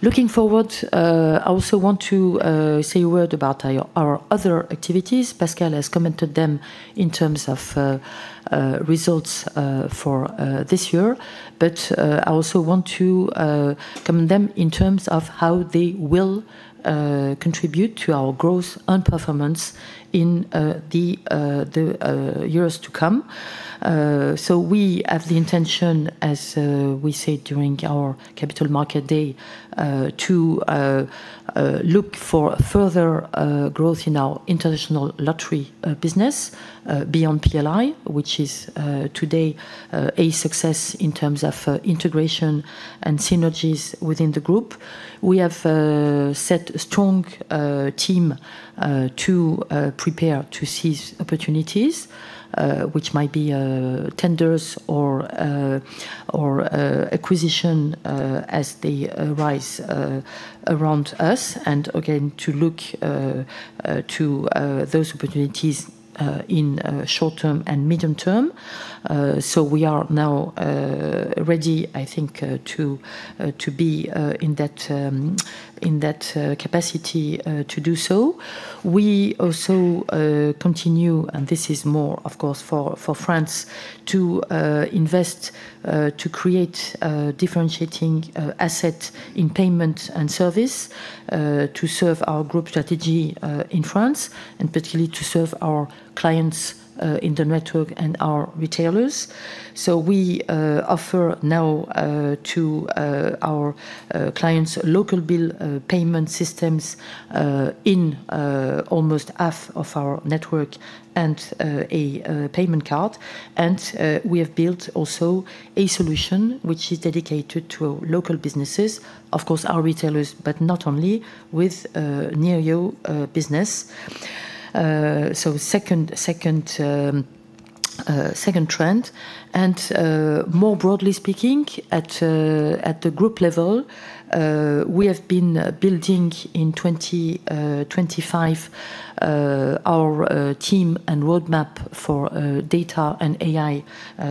Looking forward, I also want to say a word about our other activities. Pascal has commented them in terms of results for this year. But, I also want to comment them in terms of how they will contribute to our growth and performance in the years to come. So we have the intention, as we said during our Capital Market Day, to look for further growth in our international lottery business, beyond PLI, which is today a success in terms of integration and synergies within the group. We have set a strong team to prepare to seize opportunities, which might be tenders or acquisition, as they arise around us, and again, to look to those opportunities in short-term and medium-term. So we are now ready, I think, to be in that capacity to do so. We also continue, and this is more, of course, for France, to invest to create differentiating asset in payment and service to serve our group strategy in France, and particularly to serve our clients in the network and our retailers. So we offer now to our clients local bill payment systems in almost half of our network and a payment card. And we have built also a solution which is dedicated to local businesses, of course, our retailers, but not only with Nirio business. So second trend, and more broadly speaking, at the group level, we have been building in 25 our team and roadmap for data and AI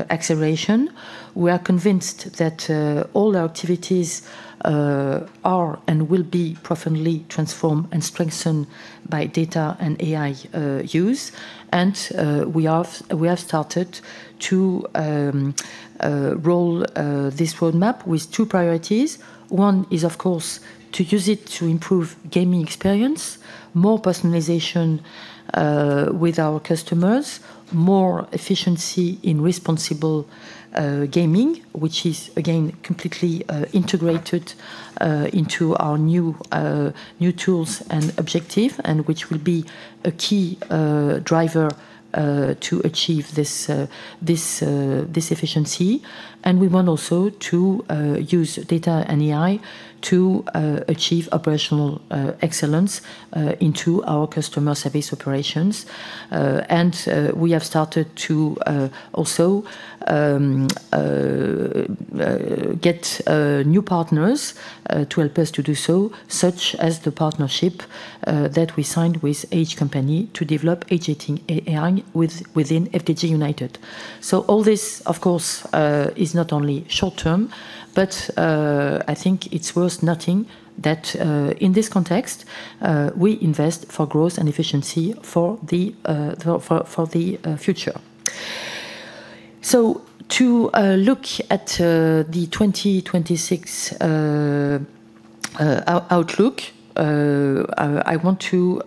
acceleration. We are convinced that all our activities are and will be profoundly transformed and strengthened by data and AI use. We have started to roll this roadmap with two priorities. One is, of course, to use it to improve gaming experience, more personalization with our customers, more efficiency in responsible gaming, which is, again, completely integrated into our new tools and objective, and which will be a key driver to achieve this efficiency. We want also to use data and AI to achieve operational excellence into our customer service operations. And we have started to also get new partners to help us to do so, such as the partnership that we signed with H Company to develop age-18 AI within FDJ United. So all this, of course, is not only short-term, but I think it's worth noting that, in this context, we invest for growth and efficiency for the future. So to look at the 2026 outlook, I want to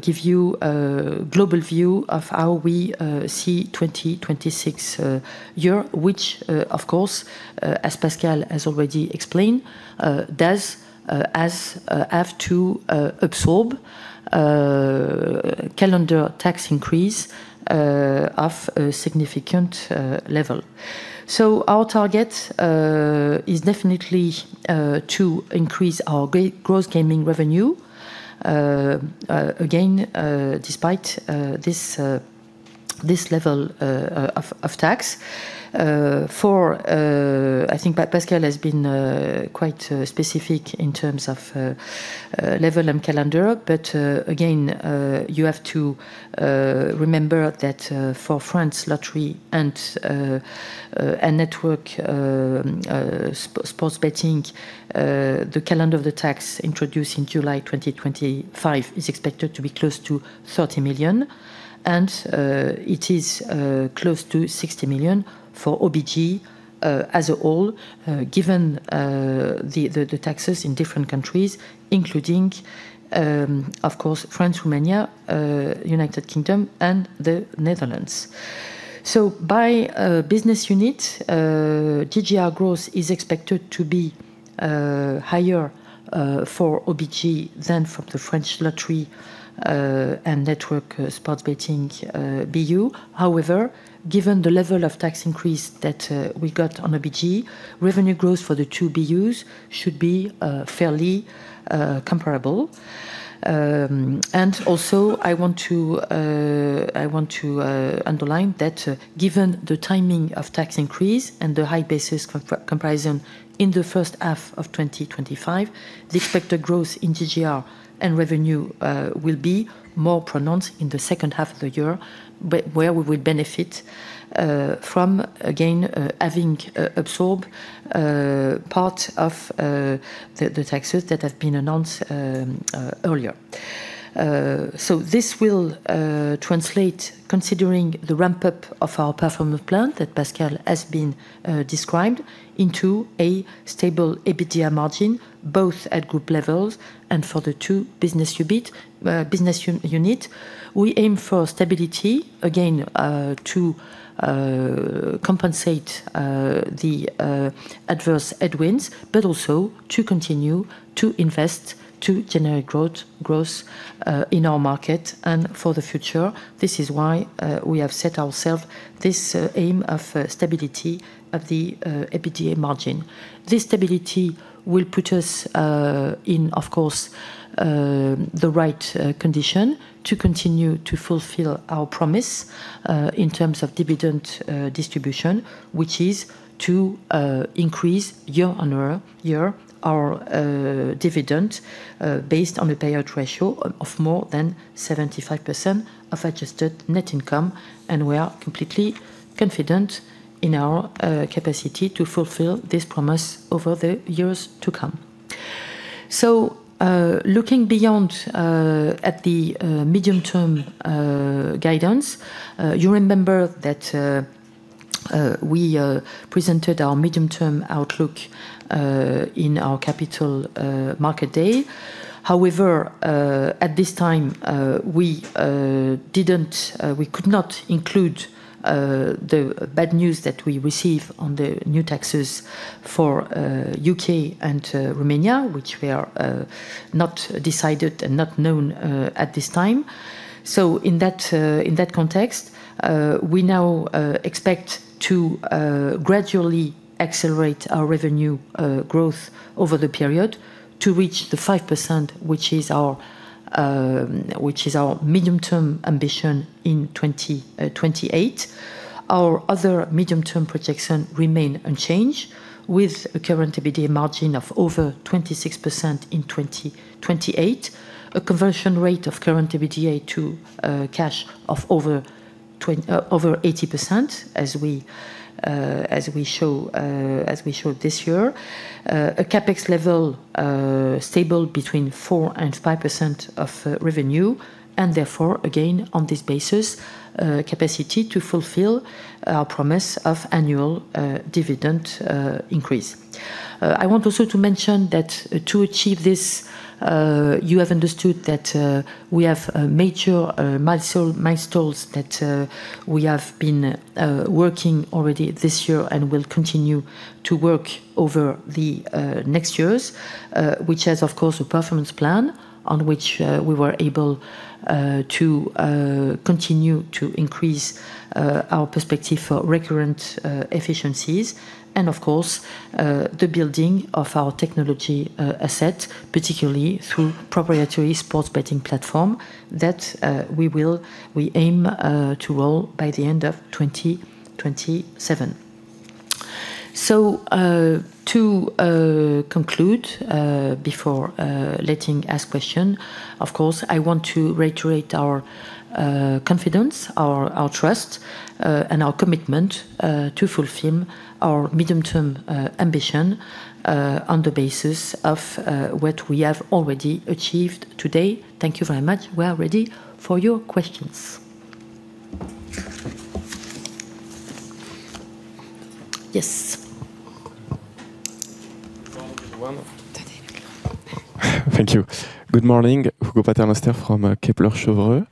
give you a global view of how we see 2026 year, which, of course, as Pascal has already explained, does have to absorb calendar tax increase of a significant level. So our target is definitely to increase our gross gaming revenue again despite this level of tax. I think Pascal has been quite specific in terms of level and calendar, but again you have to remember that for France Lottery and network sports betting the calendar of the tax introduced in July 2025 is expected to be close to 30 million, and it is close to 60 million for OBG as a whole given the taxes in different countries including of course France, Romania, United Kingdom, and the Netherlands. So by business unit, TGR growth is expected to be higher for OBG than for the French Lottery and network sports betting BU. However, given the level of tax increase that we got on OBG, revenue growth for the two BUs should be fairly comparable. And also, I want to underline that, given the timing of tax increase and the high basis comparison in the first half of 2025, the expected growth in TGR and revenue will be more pronounced in the second half of the year, but where we will benefit from, again, having absorbed part of the taxes that have been announced earlier. So this will translate, considering the ramp-up of our performance plan that Pascal has described, into a stable EBITDA margin, both at group levels and for the two business units. We aim for stability, again, to compensate the adverse headwinds, but also to continue to invest, to generate growth in our market and for the future. This is why we have set ourselves this aim of stability of the EBITDA margin. This stability will put us in, of course, the right condition to continue to fulfill our promise in terms of dividend distribution, which is to increase year on year, year our dividend based on a payout ratio of more than 75% of adjusted net income, and we are completely confident in our capacity to fulfill this promise over the years to come. So, looking beyond at the medium-term guidance, you remember that we presented our medium-term outlook in our Capital Market Day. However, at this time, we didn't—we could not include the bad news that we received on the new taxes for U.K. and Romania, which we are not decided and not known at this time. So in that context, we now expect to gradually accelerate our revenue growth over the period to reach the 5%, which is our medium-term ambition in 2028. Our other medium-term projection remain unchanged, with a current EBITDA margin of over 26% in 2028, a conversion rate of current EBITDA to cash of over 80%, as we showed this year. A CapEx level stable between 4%-5% of revenue, and therefore, again, on this basis, capacity to fulfill our promise of annual dividend increase. I want also to mention that to achieve this, you have understood that we have major milestones that we have been working already this year and will continue to work over the next years, which has, of course, a performance plan on which we were able to continue to increase our perspective for recurrent efficiencies and of course, the building of our technology asset, particularly through proprietary sports betting platform that we aim to roll by the end of 2027. So, to conclude, before letting ask question, of course, I want to reiterate our confidence, our trust, and our commitment to fulfill our medium-term ambition on the basis of what we have already achieved today. Thank you very much. We are ready for your questions... Yes. Thank you. Good morning, Hugo Paternoster from Kepler Cheuvreux.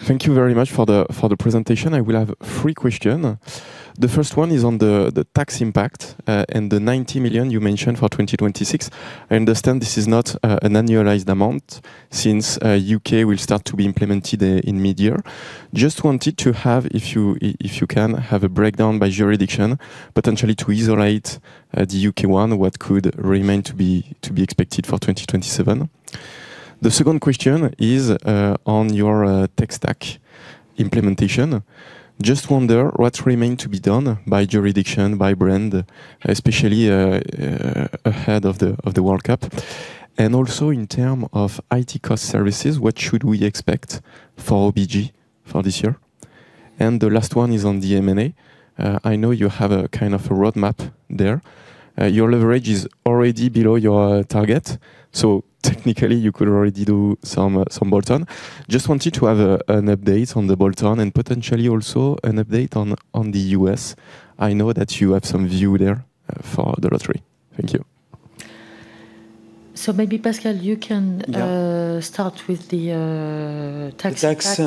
Thank you very much for the presentation. I will have three question. The first one is on the tax impact and the 90 million you mentioned for 2026. I understand this is not an annualized amount, since U.K. will start to be implemented in mid-year. Just wanted to have, if you can, a breakdown by jurisdiction, potentially to isolate the U.K. one, what could remain to be expected for 2027. The second question is on your tech stack implementation. Just wonder what remain to be done by jurisdiction, by brand, especially ahead of the World Cup. And also in term of IT cost services, what should we expect for OBG for this year? The last one is on the M&A. I know you have a kind of a roadmap there. Your leverage is already below your target, so technically, you could already do some bolt-on. Just wanted to have an update on the bolt-on and potentially also an update on the U.S. I know that you have some view there for the lottery. Thank you. So maybe, Pascal, you can- Yeah. Start with the tax impact. The tax.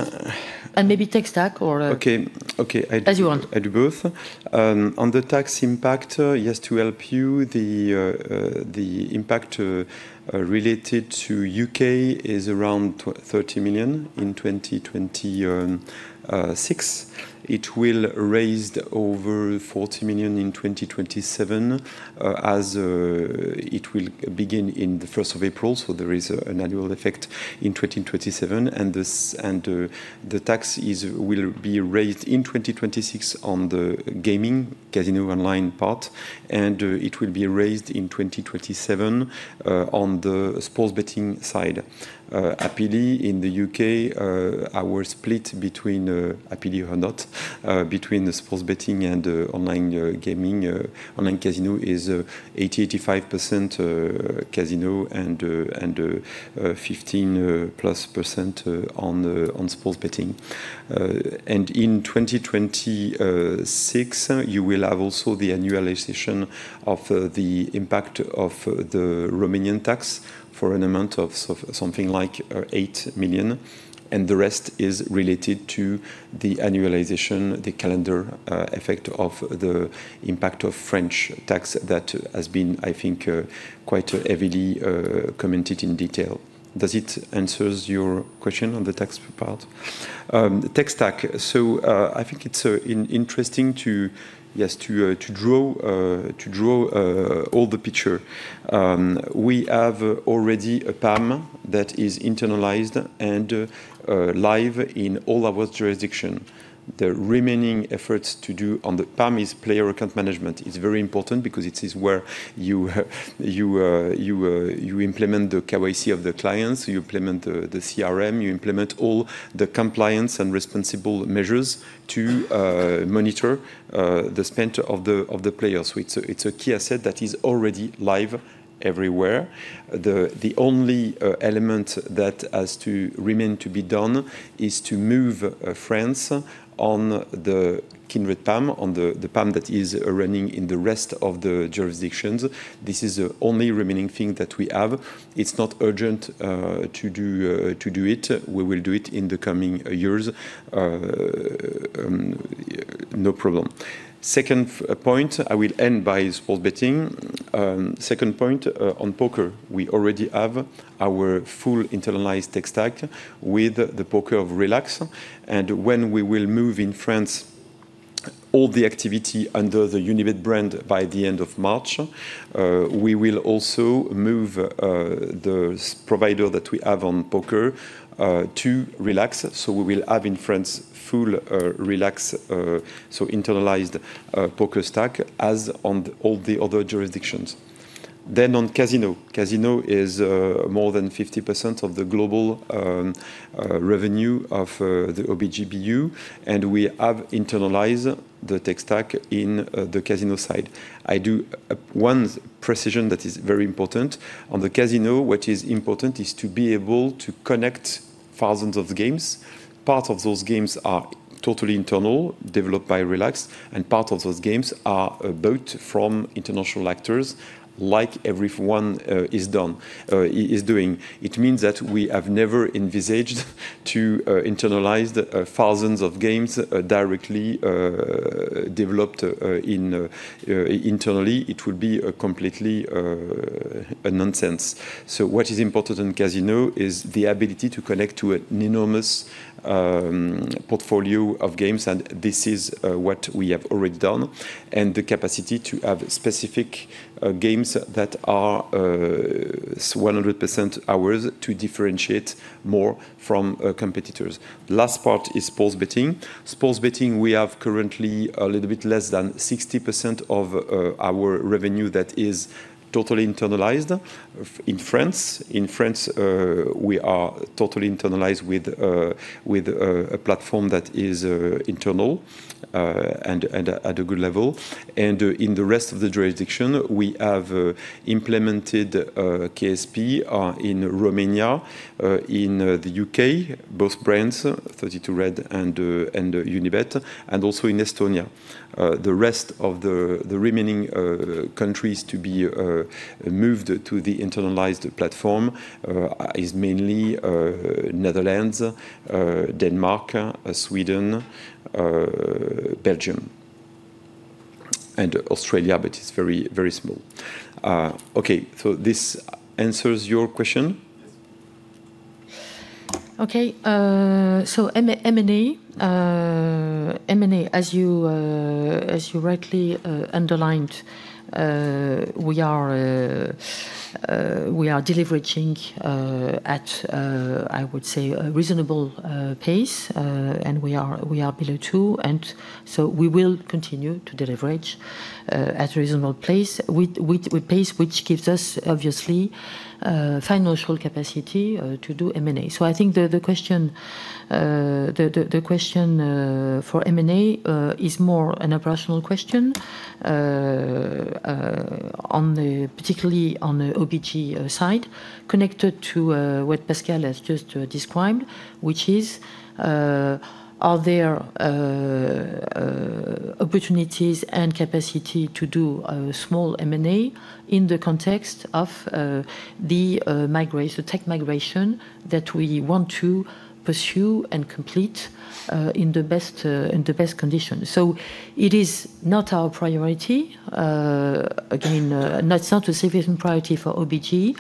And maybe tech stack or Okay, okay. As you want. I do, I do both. On the tax impact, yes, to help you, the impact related to U.K. is around 30 million in 2026. It will raise over 40 million in 2027, as it will begin in the first of April, so there is an annual effect in 2027, and this- and, the tax is-- will be raised in 2026 on the gaming, casino online part, and, it will be raised in 2027, on the sports betting side. Rapidly in the U.K., our split between, rapidly or not, between the sports betting and, online, gaming, online casino is, 85% casino and, and, 15%+ on the, on sports betting. And in 2026, you will have also the annualization of the impact of the Romanian tax for an amount of something like 8 million, and the rest is related to the annualization, the calendar effect of the impact of French tax. That has been, I think, quite heavily commented in detail. Does it answers your question on the tax part? The tech stack. So, I think it's interesting to, yes, to draw all the picture. We have already a PAM that is internalized and live in all our jurisdiction. The remaining efforts to do on the PAM is player account management. It's very important because it is where you implement the KYC of the clients, you implement the CRM, you implement all the compliance and responsible measures to monitor the spend of the players. So it's a key asset that is already live everywhere. The only element that has to remain to be done is to move France on the Kindred PAM, on the PAM that is running in the rest of the jurisdictions. This is the only remaining thing that we have. It's not urgent to do it. We will do it in the coming years. No problem. Second point, I will end by sports betting. Second point, on poker, we already have our full internalized tech stack with the poker of Relax. And when we will move in France all the activity under the Unibet brand by the end of March, we will also move the provider that we have on poker to Relax. So we will have in France full Relax so internalized poker stack as on all the other jurisdictions. Then on casino. Casino is more than 50% of the global revenue of the OBG BU, and we have internalized the tech stack in the casino side. I do one precision that is very important. On the casino, what is important is to be able to connect thousands of games. Part of those games are totally internal, developed by Relax, and part of those games are bought from international actors, like everyone is done is doing. It means that we have never envisaged to internalize thousands of games directly developed in internally. It would be a completely a nonsense. So what is important in casino is the ability to connect to an enormous portfolio of games, and this is what we have already done, and the capacity to have specific games that are 100% ours to differentiate more from competitors. Last part is sports betting. Sports betting, we have currently a little bit less than 60% of our revenue that is totally internalized in France. In France, we are totally internalized with a platform that is internal and at a good level. And in the rest of the jurisdiction, we have implemented KSP in Romania, in the U.K., both brands, 32Red and Unibet, and also in Estonia. The rest of the remaining countries to be moved to the internalized platform is mainly Netherlands, Denmark, Sweden, Belgium... and Australia, but it's very, very small. Okay, so this answers your question? Okay, so M&A, as you rightly underlined, we are deleveraging at a reasonable pace. And we are below two, and so we will continue to deleverage at a reasonable pace, which gives us obviously financial capacity to do M&A. So I think the question for M&A is more an operational question. Particularly on the OBG side, connected to what Pascal has just described, which is, are there opportunities and capacity to do small M&A in the context of the migration, tech migration that we want to pursue and complete in the best conditions? It is not our priority. Again, that's not a significant priority for OBG.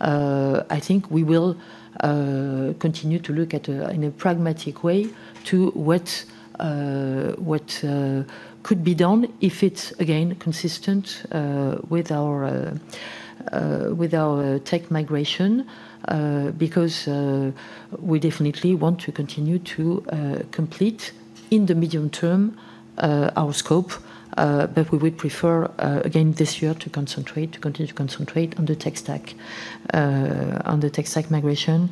I think we will continue to look at, in a pragmatic way, what could be done if it's again consistent with our tech migration. Because we definitely want to continue to complete in the medium term our scope, but we would prefer, again this year, to concentrate, to continue to concentrate on the tech stack, on the tech stack migration,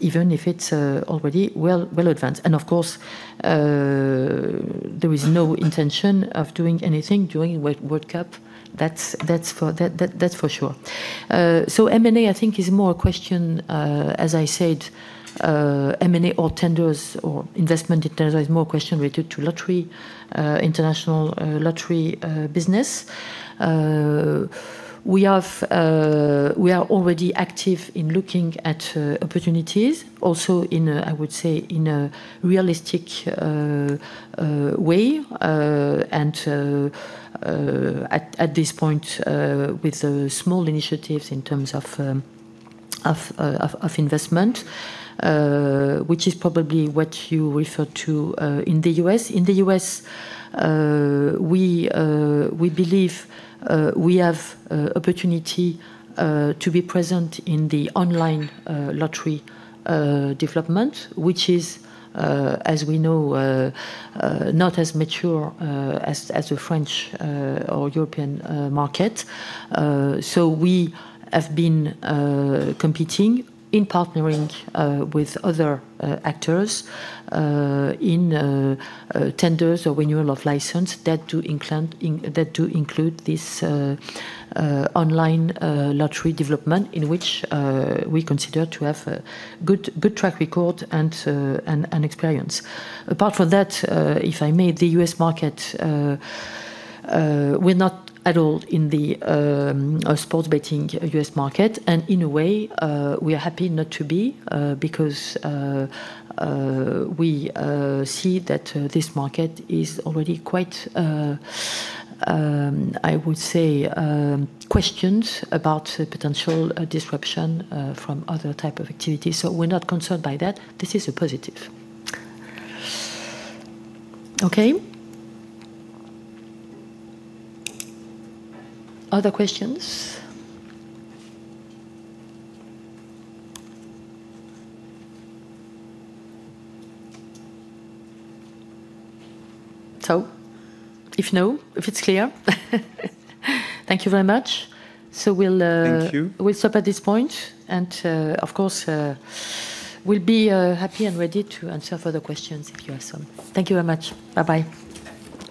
even if it's already well advanced. And of course, there is no intention of doing anything during World Cup. That's for sure. So M&A, I think, is more a question, as I said, M&A or tenders or investment in terms of is more a question related to lottery international lottery business. We are already active in looking at opportunities also in a, I would say, in a realistic way. And at this point, with the small initiatives in terms of investment, which is probably what you refer to, in the U.S. In the U.S., we believe we have opportunity to be present in the online lottery development. Which is, as we know, not as mature as a French or European market. So we have been competing in partnering with other actors in tenders or renewal of license that do include in- that do include this online lottery development, in which we consider to have a good, good track record and, and, and experience. Apart from that, if I may, the U.S. market, we're not at all in the sports betting U.S. market and in a way, we are happy not to be, because we see that this market is already quite, I would say, questioned about the potential disruption from other type of activities. So we're not concerned by that. This is a positive. Okay. Other questions? So if no, if it's clear, thank you very much. So we'll-- Thank you. We'll stop at this point, and, of course, we'll be happy and ready to answer further questions if you have some. Thank you very much. Bye-bye.